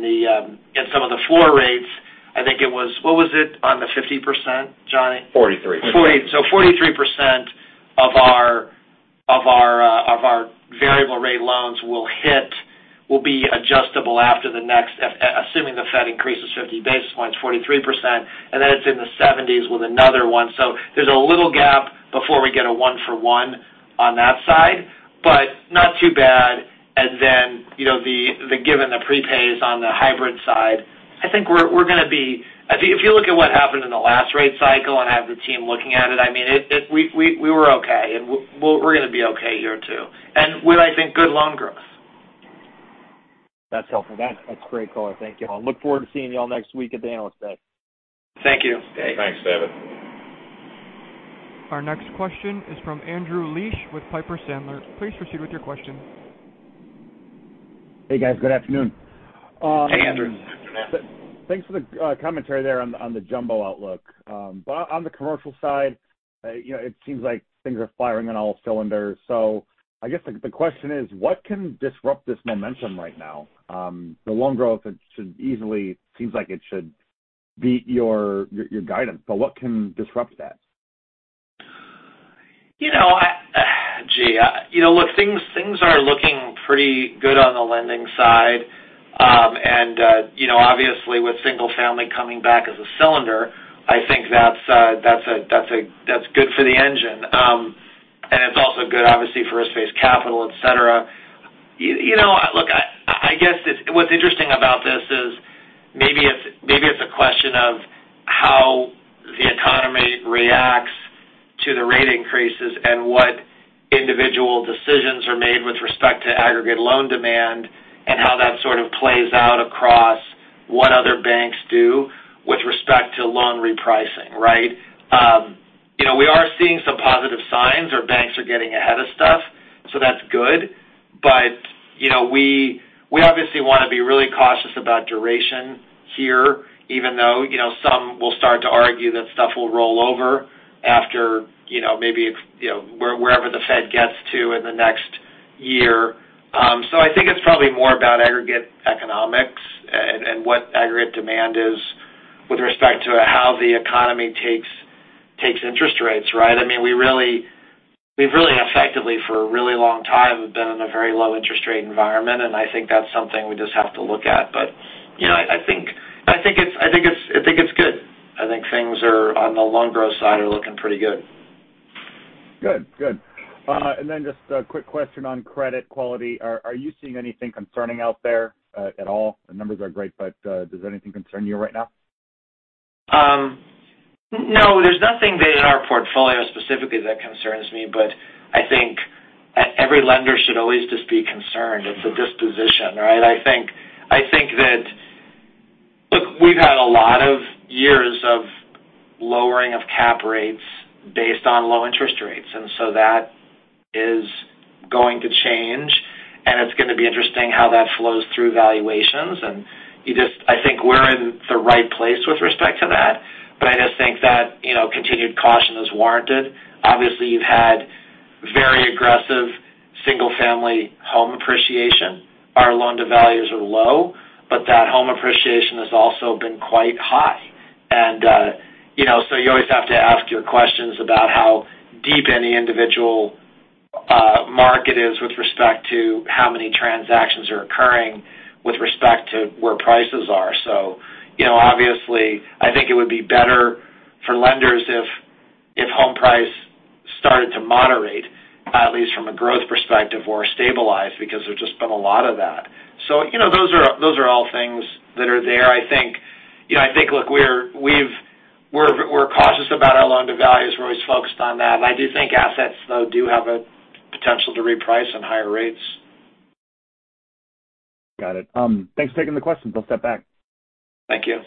some of the four rates. I think it was. What was it on the 50%, Johnny?
Forty-three.
43% of our variable rate loans will be adjustable assuming the Fed increases 50 basis points, 43%, and then it's in the 70s with another one. There's a little gap before we get a one-for-one on that side, but not too bad. Given the prepays on the hybrid side, I think we're gonna be. If you look at what happened in the last rate cycle and have the team looking at it, I mean, we were okay, and we're gonna be okay here too. With, I think, good loan growth.
That's helpful. That's great, color. Thank you all. Look forward to seeing you all next week at the Analyst Day.
Thank you.
Thanks, David.
Our next question is from Andrew Liesch with Piper Sandler. Please proceed with your question.
Hey, guys. Good afternoon.
Hey, Andrew.
Good afternoon.
Thanks for the commentary there on the jumbo outlook. On the commercial side, you know, it seems like things are firing on all cylinders. I guess the question is, what can disrupt this momentum right now? The loan growth seems like it should beat your guidance. What can disrupt that?
You know, look, things are looking pretty good on the lending side. You know, obviously with single-family coming back as a cylinder, I think that's good for the engine. It's also good, obviously, for risk-based capital, et cetera. You know, look, I guess what's interesting about this is maybe it's a question of how the economy reacts to aggregate loan demand and how that sort of plays out across what other banks do with respect to loan repricing, right? You know, we are seeing some positive signs where banks are getting ahead of stuff, that's good. You know, we obviously wanna be really cautious about duration here, even though, you know, some will start to argue that stuff will roll over after, you know, maybe it's, you know, wherever the Fed gets to in the next year. I think it's probably more about aggregate economics and what aggregate demand is with respect to how the economy takes interest rates, right? I mean, we've really effectively for a really long time have been in a very low-interest rate environment, and I think that's something we just have to look at. You know, I think it's good. I think things on the loan growth side are looking pretty good.
Good. Just a quick question on credit quality. Are you seeing anything concerning out there at all? The numbers are great, but does anything concern you right now?
No, there's nothing in our portfolio specifically that concerns me, but I think every lender should always just be concerned. It's a disposition, right? I think that. Look, we've had a lot of years of lowering of cap rates based on low interest rates, and so that is going to change, and it's gonna be interesting how that flows through valuations. I think we're in the right place with respect to that, but I just think that, you know, continued caution is warranted. Obviously, you've had very aggressive single family home appreciation. Our loan to values are low, but that home appreciation has also been quite high. You always have to ask your questions about how deep any individual market is with respect to how many transactions are occurring with respect to where prices are. You know, obviously, I think it would be better for lenders if home price started to moderate, at least from a growth perspective or stabilize because there's just been a lot of that. You know, those are all things that are there. I think, you know, I think, look, we're cautious about our loan to values. We're always focused on that. I do think assets though, do have a potential to reprice on higher rates.
Got it. Thanks for taking the questions. I'll step back.
Thank you.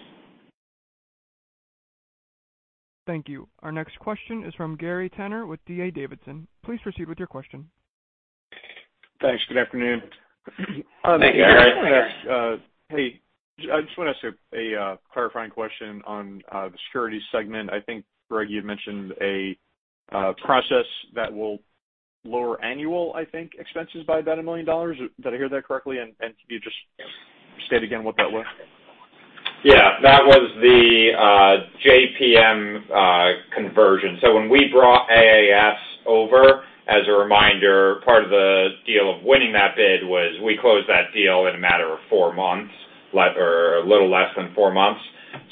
Thank you. Our next question is from Gary Tenner with DA Davidson. Please proceed with your question.
Thanks. Good afternoon.
Hey, Gary.
Hey, I just wanna ask a clarifying question on the securities segment. I think, Greg, you had mentioned a process that will lower annual, I think, expenses by about $1 million. Did I hear that correctly? Could you just state again what that was?
Yeah. That was the JPMorgan conversion. When we brought AAS over, as a reminder, part of the deal of winning that bid was we closed that deal in a matter of four months, or a little less than four months.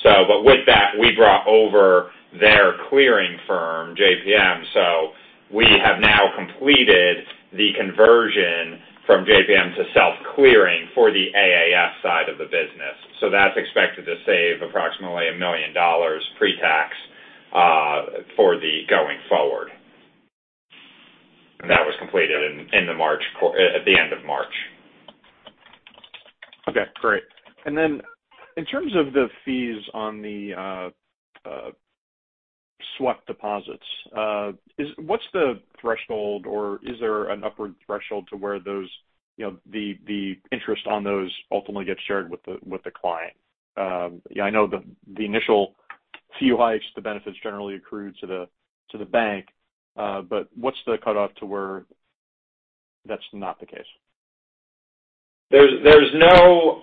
With that, we brought over their clearing firm, JPMorgan. We have now completed the conversion from JPMorgan to self-clearing for the AAS side of the business. That's expected to save approximately $1 million pre-tax, going forward. That was completed at the end of March.
Okay, great. In terms of the fees on the sweep deposits, what's the threshold or is there an upward threshold to where those, you know, the interest on those ultimately gets shared with the client? Yeah, I know the initial few hikes, the benefits generally accrue to the bank, but what's the cutoff to where that's not the case?
There's no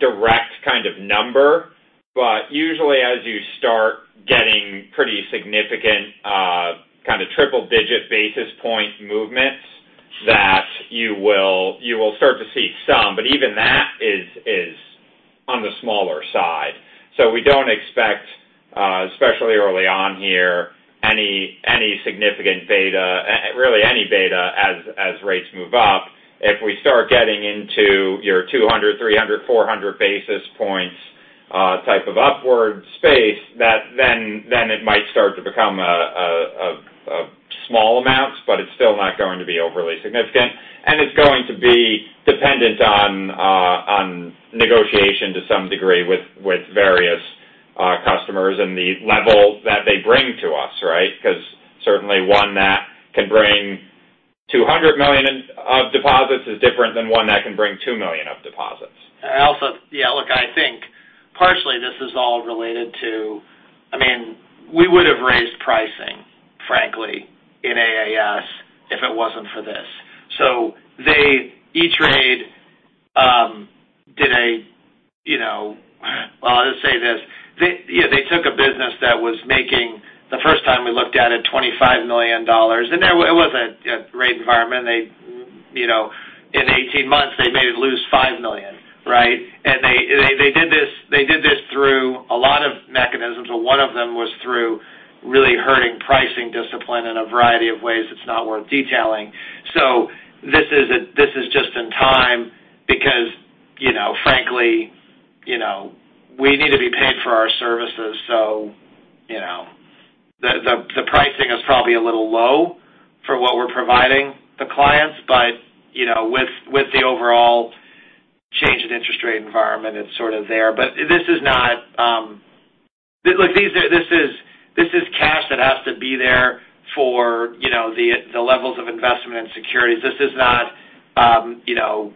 direct kind of number, but usually as you start getting pretty significant kinda triple digit basis point movements that you will start to see some, but even that is on the smaller side. We don't expect especially early on here any significant beta really any beta as rates move up. If we start getting into your 200, 300, 400 basis points type of upward space, that it might start to become a small amounts, but it's still not going to be overly significant, and it's going to be dependent on negotiation to some degree with various customers and the level that they bring to us, right? 'Cause certainly one that can bring $200 million of deposits is different than one that can bring $2 million of deposits.
Yeah, look, I think partially this is all related to I mean, we would have raised pricing, frankly, in AAS if it wasn't for this. They E*TRADE did a you know. Well, I'll just say this. They you know they took a business that was making, the first time we looked at it, $25 million. It wasn't a great environment. They you know in 18 months, they made it lose $5 million, right? They did this through a lot of mechanisms, but one of them was through really hurting pricing discipline in a variety of ways that's not worth detailing. This is just a. We need to be paid for our services, so you know the pricing is probably a little low for what we're providing the clients. You know, with the overall change in interest rate environment, it's sort of there. This is not. This is cash that has to be there for, you know, the levels of investment in securities. This is not, you know,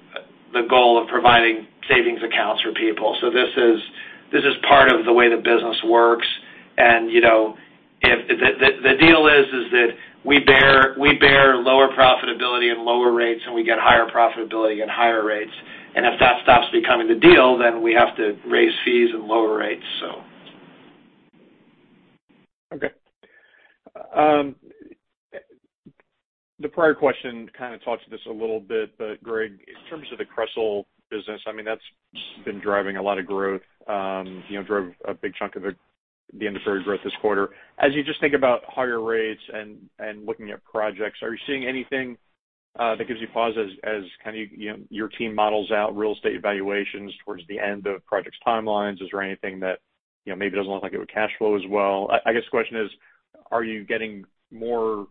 the goal of providing savings accounts for people. This is part of the way the business works. You know, the deal is that we bear lower profitability and lower rates, and we get higher profitability and higher rates. If that stops becoming the deal, then we have to raise fees and lower rates.
Okay. The prior question kind of talked to this a little bit, but Greg, in terms of the construction business, I mean, that's been driving a lot of growth, you know, drove a big chunk of the industry growth this quarter. As you just think about higher rates and looking at projects, are you seeing anything that gives you pause as kind of, you know, your team models out real estate valuations towards the end of projects timelines? Is there anything that, you know, maybe doesn't look like it would cash flow as well? I guess the question is, are you getting more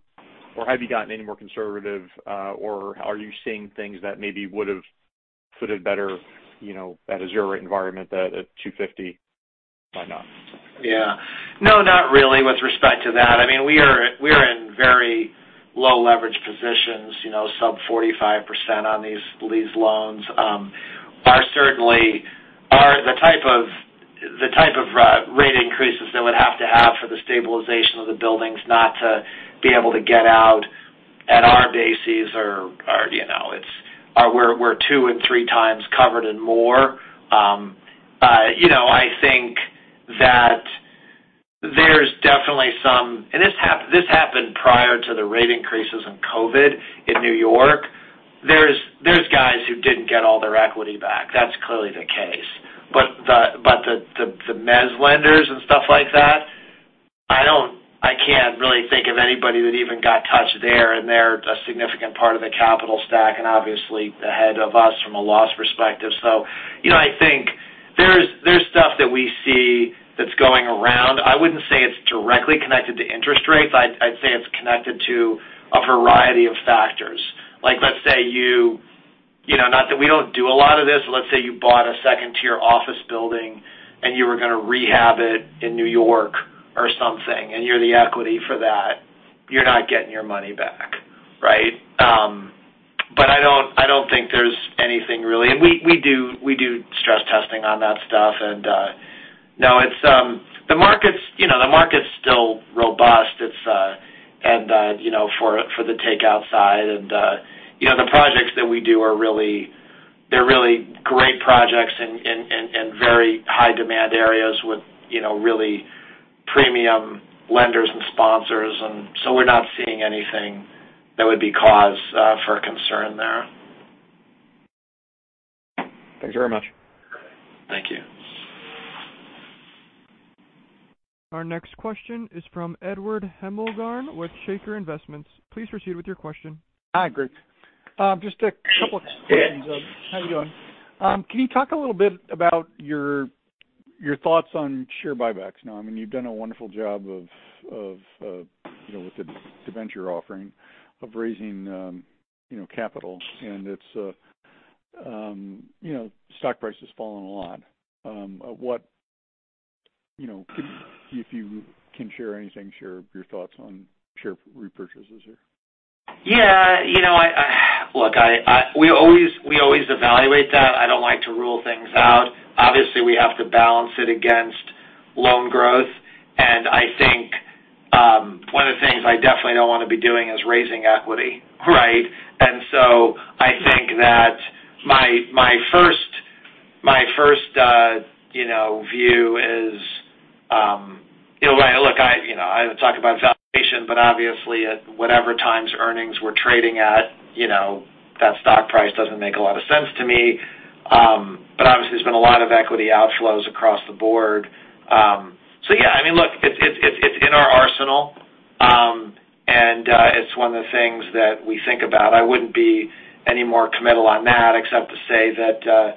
or have you gotten any more conservative, or are you seeing things that maybe would've fitted better, you know, at a zero rate environment that at 2.50 might not?
Yeah. No, not really with respect to that. I mean, we're in very low leverage positions, you know, sub 45% on these loans. Are certainly the type of rate increases that would have to have for the stabilization of the buildings not to be able to get out at our bases, you know, it's we're two and three times covered and more. You know, I think that there's definitely some. This happened prior to the rate increases during COVID in New York. There's guys who didn't get all their equity back. That's clearly the case. The mezz lenders and stuff like that, I can't really think of anybody that even got touched there, and they're a significant part of the capital stack and obviously ahead of us from a loss perspective. You know, I think there's stuff that we see that's going around. I wouldn't say it's directly connected to interest rates. I'd say it's connected to a variety of factors. Like, let's say you know, not that we don't do a lot of this, let's say you bought a second-tier office building, and you were gonna rehab it in New York or something, and you're the equity for that. You're not getting your money back, right? I don't think there's anything really. We do stress testing on that stuff. No, it's. The market's still robust, you know. It's you know, for the takeout side. You know, the projects that we do are really, they're really great projects in very high demand areas with, you know, really premium lenders and sponsors. We're not seeing anything that would be cause for concern there.
Thank you very much.
Thank you.
Our next question is from Edward Hemmelgarn with Shaker Investments. Please proceed with your question.
Hi, Greg Garrabrants. Just a couple of questions. How you doing? Can you talk a little bit about your thoughts on share buybacks now? I mean, you've done a wonderful job of you know, with the debenture offering of raising you know, capital, and its stock price has fallen a lot. You know, if you can share anything, share your thoughts on share repurchases here.
Yeah. You know, look, we always evaluate that. I don't like to rule things out. Obviously, we have to balance it against loan growth. I think one of the things I definitely don't wanna be doing is raising equity, right? I think that my first view is, you know, look, I talk about valuation, but obviously at whatever times earnings we're trading at, you know, that stock price doesn't make a lot of sense to me. But obviously there's been a lot of equity outflows across the board. Yeah, I mean, look, it's in our arsenal, and it's one of the things that we think about. I wouldn't be any more committal on that except to say that,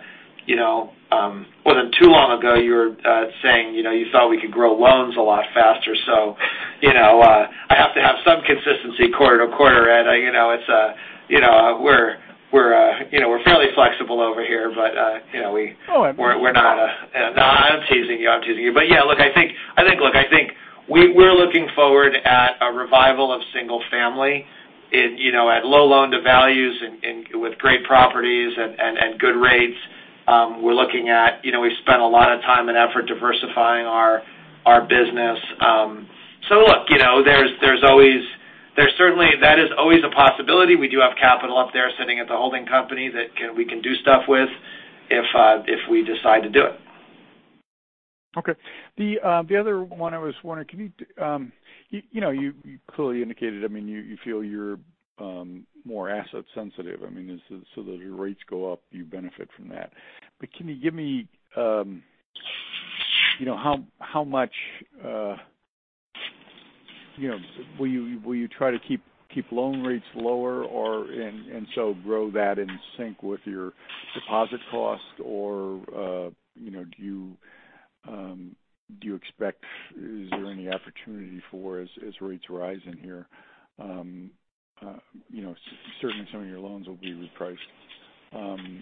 you know, not too long ago you were saying, you know, you thought we could grow loans a lot faster. You know, I have to have some consistency quarter to quarter. You know, it's, you know, we're fairly flexible over here, but, you know, we-
Oh, I believe that.
No, I'm teasing you. Yeah, look, I think, look, I think we're looking forward to a revival of single family, you know, at low loan to values and good rates. We're looking at, you know, we've spent a lot of time and effort diversifying our business. So, look, you know, there's always. There's certainly that is always a possibility. We do have capital up there sitting at the holding company that can. We can do stuff with if we decide to do it.
Okay. The other one I was wondering, can you know, you clearly indicated, I mean, you feel you're more asset sensitive. I mean, is it so that if your rates go up, you benefit from that. But can you give me, you know, how much. You know, will you try to keep loan rates lower or, and so grow that in sync with your deposit cost or, you know, do you expect is there any opportunity for as rates rise in here. You know, certainly some of your loans will be repriced.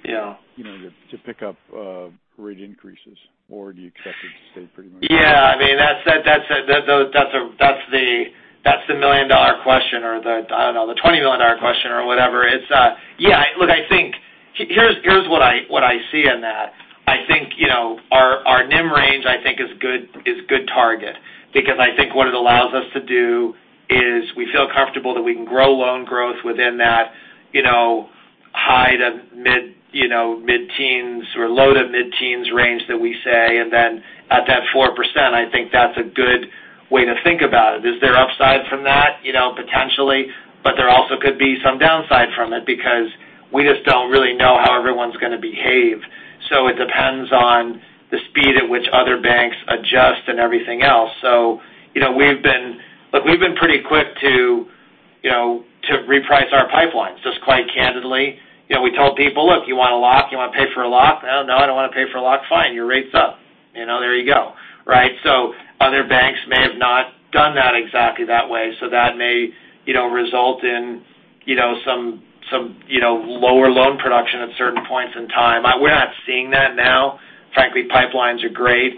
Yeah.
You know, to pick up rate increases or do you expect it to stay pretty much?
Yeah. I mean, that's the million-dollar question or the, I don't know, the twenty-million-dollar question or whatever. It's, yeah, look, I think here's what I see in that. I think, you know, our NIM range, I think is a good target because I think what it allows us to do is we feel comfortable that we can grow loan growth within that, you know, high to mid, you know, mid-teens or low to mid-teens range that we say. Then at that 4%, I think that's a good way to think about it. Is there upside from that? You know, potentially. There also could be some downside from it because we just don't really know how everyone's gonna behave. It depends on the speed at which other banks adjust and everything else. You know, we've been pretty quick to, you know, to reprice our pipelines. Just quite candidly, you know, we told people, "Look, you want to lock, you want to pay for a lock?" "Oh, no, I don't want to pay for a lock." "Fine. Your rate's up. You know, there you go." Right? Other banks may have not done that exactly that way. That may, you know, result in, you know, some, you know, lower loan production at certain points in time. We're not seeing that now. Frankly, pipelines are great.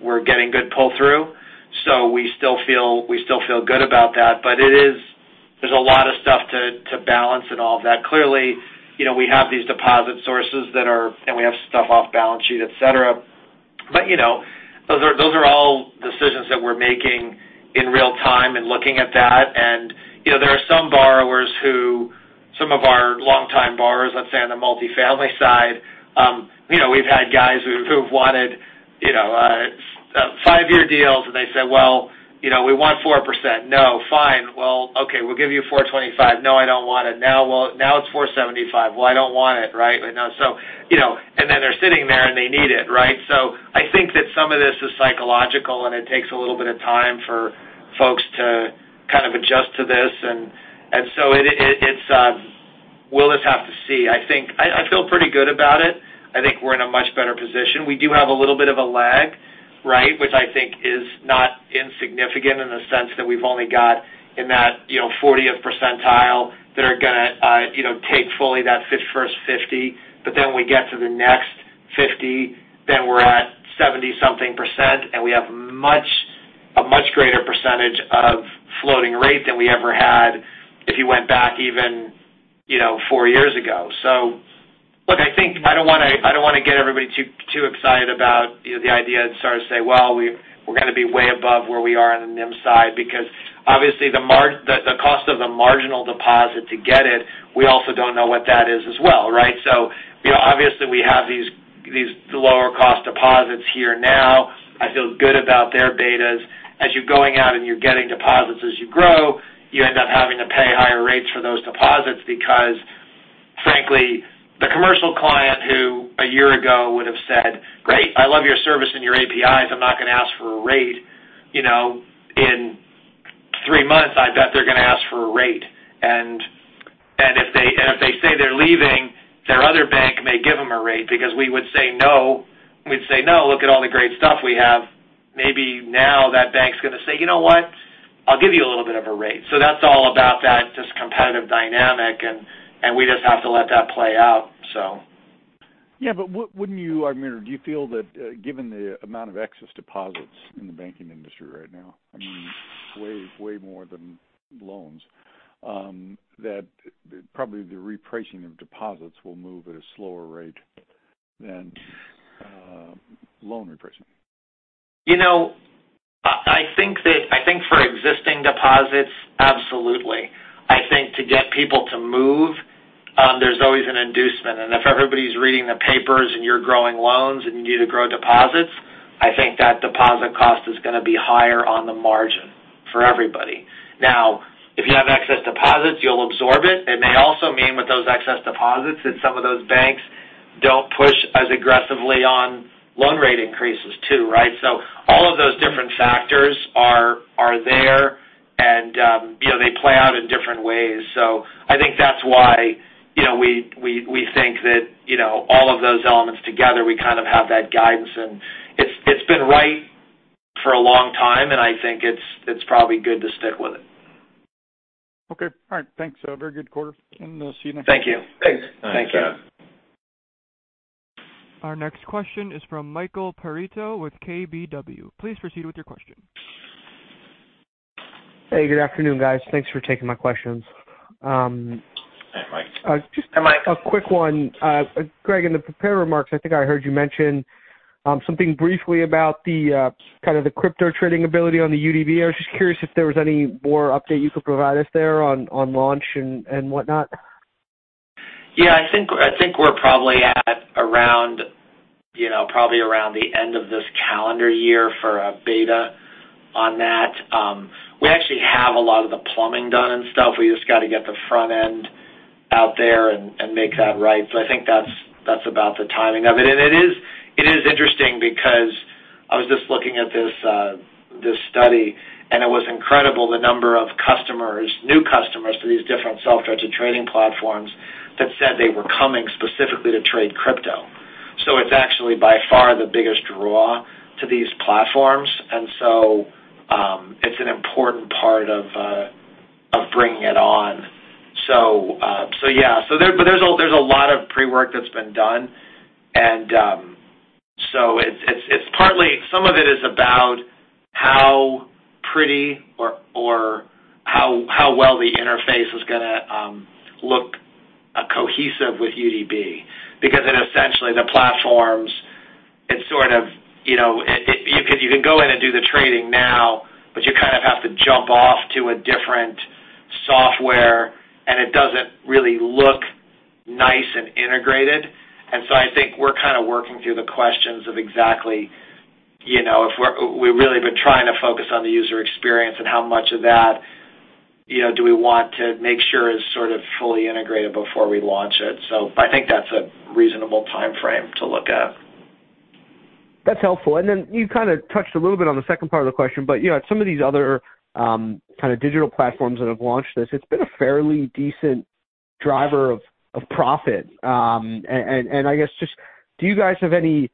We're getting good pull through, so we still feel good about that. It is. There's a lot of stuff to balance and all of that. Clearly, you know, we have these deposit sources and we have stuff off-balance-sheet, et cetera. You know, those are all decisions that we're making in real time and looking at that. You know, there are some of our longtime borrowers, let's say on the multifamily side, you know, we've had guys who've wanted, you know, five-year deals, and they say, "Well, you know, we want 4%." "No." "Fine." "Well, okay, we'll give you 4.25%." "No, I don't want it." "Now, well, now it's 4.75%." "Well, I don't want it." Right? Now, you know, and then they're sitting there, and they need it, right? I think that some of this is psychological, and it takes a little bit of time for folks to kind of adjust to this. We'll just have to see. I think I feel pretty good about it. I think we're in a much better position. We do have a little bit of a lag, right? Which I think is not insignificant in the sense that we've only got in that, you know, 40th percentile that are gonna, you know, take fully that first 50. But then we get to the next 50, then we're at 70-something%, and we have a much greater percentage of floating rate than we ever had if you went back even, you know, four years ago. Look, I think I don't wanna get everybody too excited about the idea and start to say, "Well, we're gonna be way above where we are on the NIM side," because obviously the cost of the marginal deposit to get it, we also don't know what that is as well, right? You know, obviously we have these lower cost deposits here now. I feel good about their betas. As you're going out and you're getting deposits as you grow, you end up having to pay higher rates for those deposits because frankly, the commercial client who a year ago would have said, "Great, I love your service and your APIs, I'm not going to ask for a rate," you know, in three months I bet they're gonna ask for a rate. If they say they're leaving, their other bank may give them a rate because we would say, no. We'd say, "No, look at all the great stuff we have." Maybe now that bank's gonna say, "You know what? I'll give you a little bit of a rate." That's all about that, just competitive dynamic and we just have to let that play out so.
Yeah. Wouldn't you, I mean, or do you feel that, given the amount of excess deposits in the banking industry right now, I mean, way more than loans, that probably the repricing of deposits will move at a slower rate than loan repricing?
You know, I think for existing deposits, absolutely. I think to get people to move, there's always an inducement. If everybody's reading the papers and you're growing loans and you need to grow deposits, I think that deposit cost is gonna be higher on the margin for everybody. Now, if you have excess deposits, you'll absorb it. It may also mean with those excess deposits that some of those banks don't push as aggressively on loan rate increases too, right? All of those different factors are there and, you know, they play out in different ways. I think that's why, you know, we think that, you know, all of those elements together, we kind of have that guidance. It's been right for a long time, and I think it's probably good to stick with it.
Okay. All right. Thanks. A very good quarter and see you next time.
Thank you.
Thanks.
Thank you.
Our next question is from Michael Perito with KBW. Please proceed with your question.
Hey, good afternoon, guys. Thanks for taking my questions.
Hi, Mike.
Just-
Hi, Mike.
A quick one. Greg, in the prepared remarks, I think I heard you mention something briefly about the kind of the crypto trading ability on the UDB. I was just curious if there was any more update you could provide us there on launch and whatnot?
Yeah. I think we're probably around the end of this calendar year for a beta on that. We actually have a lot of the plumbing done and stuff. We just got to get the front end out there and make that right. I think that's about the timing of it. It is interesting because I was just looking at this study, and it was incredible the number of new customers to these different self-directed trading platforms that said they were coming specifically to trade crypto. It's actually by far the biggest draw to these platforms. It's an important part of bringing it on. Yeah. There's a lot of pre-work that's been done. It's partly some of it is about how pretty or how well the interface is gonna look cohesive with UDB. Because then essentially the platforms, it's sort of, you know, you can go in and do the trading now, but you kind of have to jump off to a different software, and it doesn't really look nice and integrated. I think we're kinda working through the questions of exactly, you know, if we really have been trying to focus on the user experience and how much of that, you know, do we want to make sure is sort of fully integrated before we launch it. I think that's a reasonable timeframe to look at.
That's helpful. You kinda touched a little bit on the second part of the question. You know, some of these other kinds of digital platforms that have launched this, it's been a fairly decent driver of profit. I guess just do you guys have any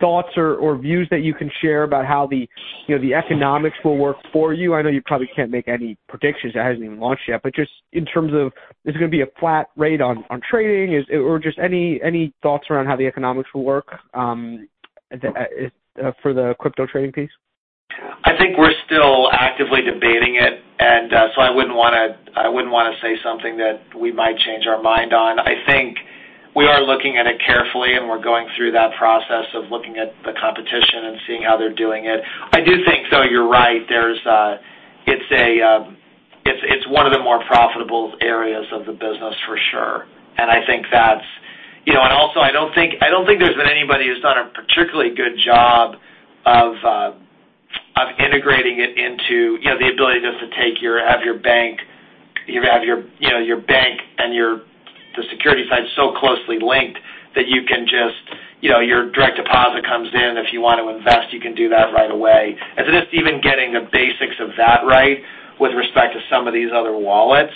thoughts or views that you can share about how the, you know, the economics will work for you? I know you probably can't make any predictions. It hasn't even launched yet. Just in terms of is it gonna be a flat rate on trading? Is it? Or just any thoughts around how the economics will work for the crypto trading piece?
I think we're still actively debating it. I wouldn't wanna say something that we might change our mind on. I think we are looking at it carefully, and we're going through that process of looking at the competition and seeing how they're doing it. I do think, though, you're right. It's one of the more profitable areas of the business for sure. I think that's, you know, and also, I don't think there's been anybody who's done a particularly good job of integrating it into, you know, the ability just to have your bank and your securities side so closely linked that you can just, you know, your direct deposit comes in. If you want to invest, you can do that right away. Just even getting the basics of that right with respect to some of these other wallets.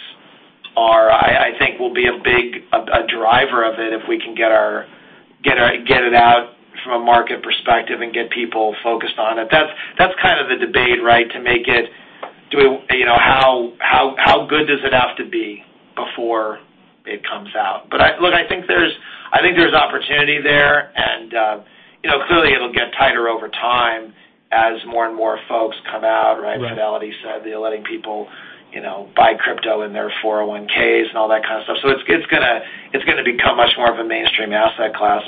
I think will be a big driver of it if we can get it out from a market perspective and get people focused on it. That's kind of the debate, right? You know, how good does it have to be before it comes out. Look, I think there's opportunity there. You know, clearly, it'll get tighter over time as more and more folks come out, right?
Right.
Fidelity said they're letting people, you know, buy crypto in their 401(k)s and all that kind of stuff. It's gonna become much more of a mainstream asset class.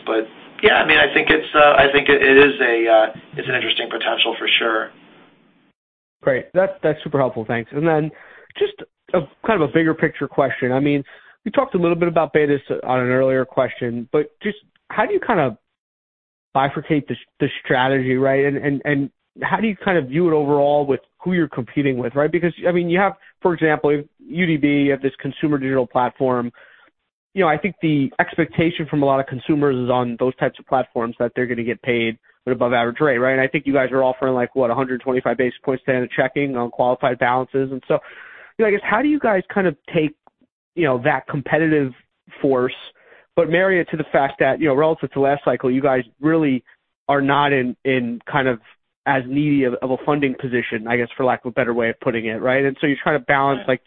Yeah, I mean, I think it is an interesting potential for sure.
Great. That's super helpful. Thanks. Just a kind of a bigger picture question. I mean, we talked a little bit about betas on an earlier question, but just how do you kind of bifurcate the strategy, right? And how do you kind of view it overall with who you're competing with, right? Because I mean, you have, for example, UDB. You have this consumer digital platform. You know, I think the expectation from a lot of consumers is on those types of platforms that they're gonna get paid an above average rate, right? And I think you guys are offering like what? 125 basis points standard checking on qualified balances. You know, I guess, how do you guys kind of take, you know, that competitive force, but marry it to the fact that, you know, relative to last cycle, you guys really are not in kind of as needy of a funding position, I guess, for lack of a better way of putting it, right? You're trying to balance like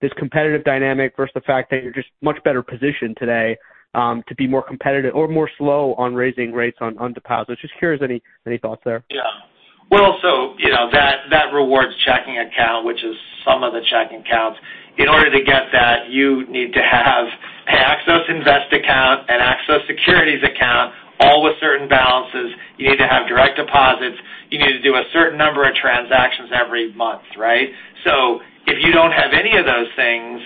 this competitive dynamic versus the fact that you're just much better positioned today to be more competitive or more slow on raising rates on deposits. Just curious, any thoughts there?
Yeah. Well, you know that rewards checking account, which is some of the checking accounts. In order to get that, you need to have an Axos Invest account, an Axos Securities account, all with certain balances. You need to have direct deposits. You need to do a certain number of transactions every month, right? If you don't have any of those things,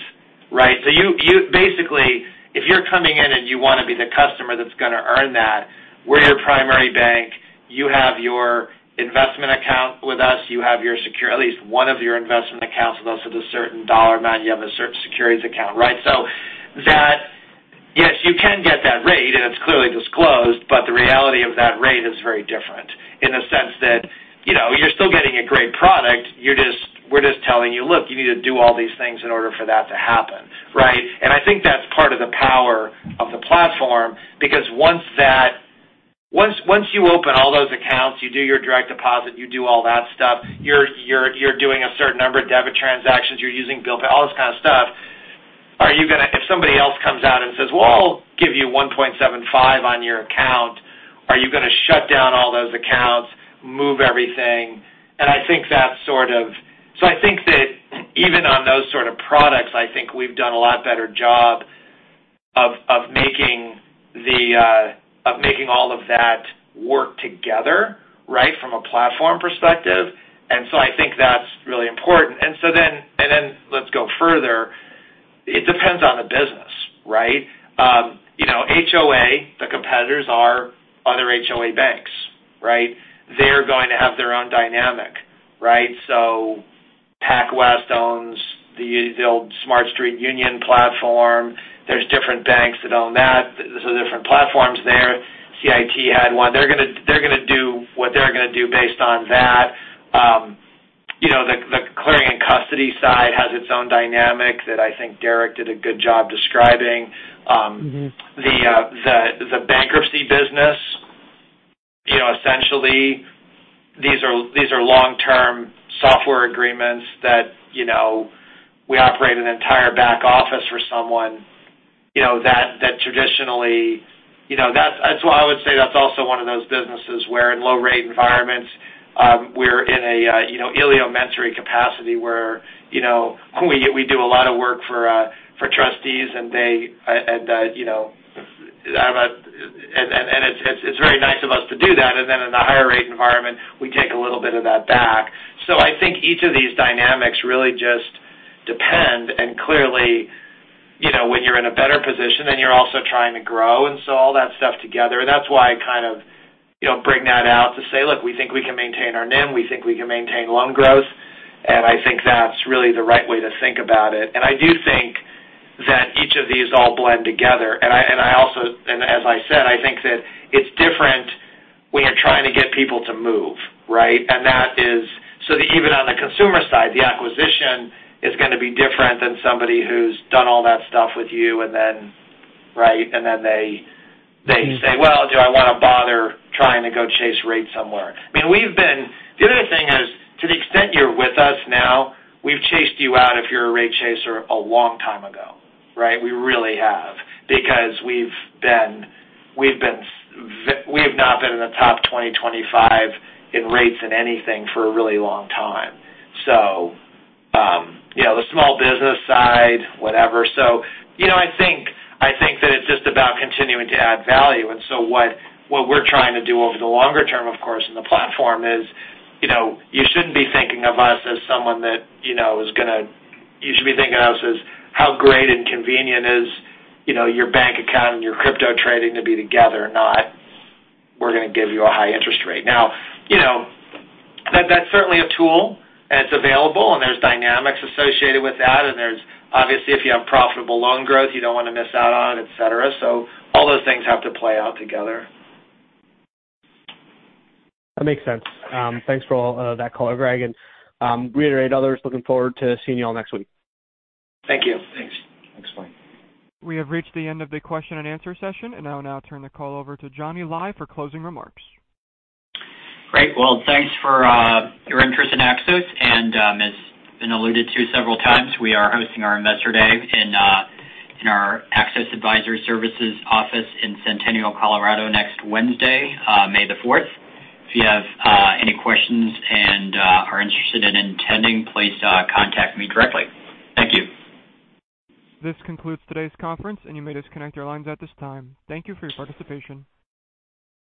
right? You basically, if you're coming in and you wanna be the customer that's gonna earn that, we're your primary bank. You have your investment account with us. At least one of your investment accounts with us with a certain dollar amount. You have a certain securities account, right? that yes, you can get that rate, and it's clearly disclosed, but the reality of that rate is very different in a sense that, you know, you're still getting a great product. We're just telling you, "Look, you need to do all these things in order for that to happen." Right? I think that's part of the power of the platform because once you open all those accounts, you do your direct deposit, you do all that stuff, you're doing a certain number of debit transactions, you're using Bill Pay, all this kind of stuff. If somebody else comes out and says, "Well, I'll give you 1.75% on your account," are you gonna shut down all those accounts, move everything? I think that's sort of. I think that even on those sorts of products, I think we've done a lot better job of making all of that work together, right? From a platform perspective. I think that's really important. Let's go further. It depends on the business, right? You know, HOA, other HOA banks, right? They're going to have their own dynamic, right? PacWest owns the old Smartstreet Union platform. There are different banks that own that. There are different platforms there. CIT had one. They're gonna do what they're gonna do based on that. You know, the clearing and custody side has its own dynamic that I think Derrick did a good job describing.
Mm-hmm.
The bankruptcy business, you know, essentially these are long-term software agreements that, you know, we operate an entire back office for someone. You know, that traditionally. You know, that's why I would say that's also one of those businesses where in low-rate environments, we're in a you know, eleemosynary capacity where, you know, we do a lot of work for trustees and, you know, and it's very nice of us to do that. Then in the higher rate environment, we take a little bit of that back. I think each of these dynamics really just depend. Clearly, you know, when you're in a better position, then you're also trying to grow. All that stuff together. That's why I kind of, you know, bring that out to say, "Look, we think we can maintain our NIM. We think we can maintain loan growth." I think that's really the right way to think about it. I do think that each of these all blend together. I also, as I said, think that it's different when you're trying to get people to move, right? Even on the consumer side, the acquisition is gonna be different than somebody who's done all that stuff with you and then, right? They say, "Well, do I wanna bother trying to go chase rates somewhere?" I mean, the other thing is, to the extent you're with us now, we've chased you out if you're a rate chaser a long time ago, right? We really have. Because we have not been in the top 20, 25 in rates in anything for a really long time. You know, the small business side, whatever. You know, I think that it's just about continuing to add value. What we're trying to do over the longer term, of course, in the platform is, you know, you shouldn't be thinking of us as someone that, you know, is gonna. You should be thinking of us as how great and convenient is, you know, your bank account and your crypto trading to be together, not we're gonna give you a high interest rate. You know, that's certainly a tool, and it's available, and there's dynamics associated with that. There's obviously if you have profitable loan growth you don't wanna miss out on, et cetera. All those things have to play out together.
That makes sense. Thanks for all of that color, Greg. To the others, looking forward to seeing you all next week.
Thank you.
Thanks.
Thanks, Blaine.
We have reached the end of the question and answer session and now turn the call over to Johnny Lai for closing remarks.
Great. Well, thanks for your interest in Axos. It's been alluded to several times. We are hosting our investor day in our Axos Advisor Services office in Centennial, Colorado next Wednesday, May the fourth. If you have any questions and are interested in attending, please contact me directly. Thank you.
This concludes today's conference, and you may disconnect your lines at this time. Thank you for your participation.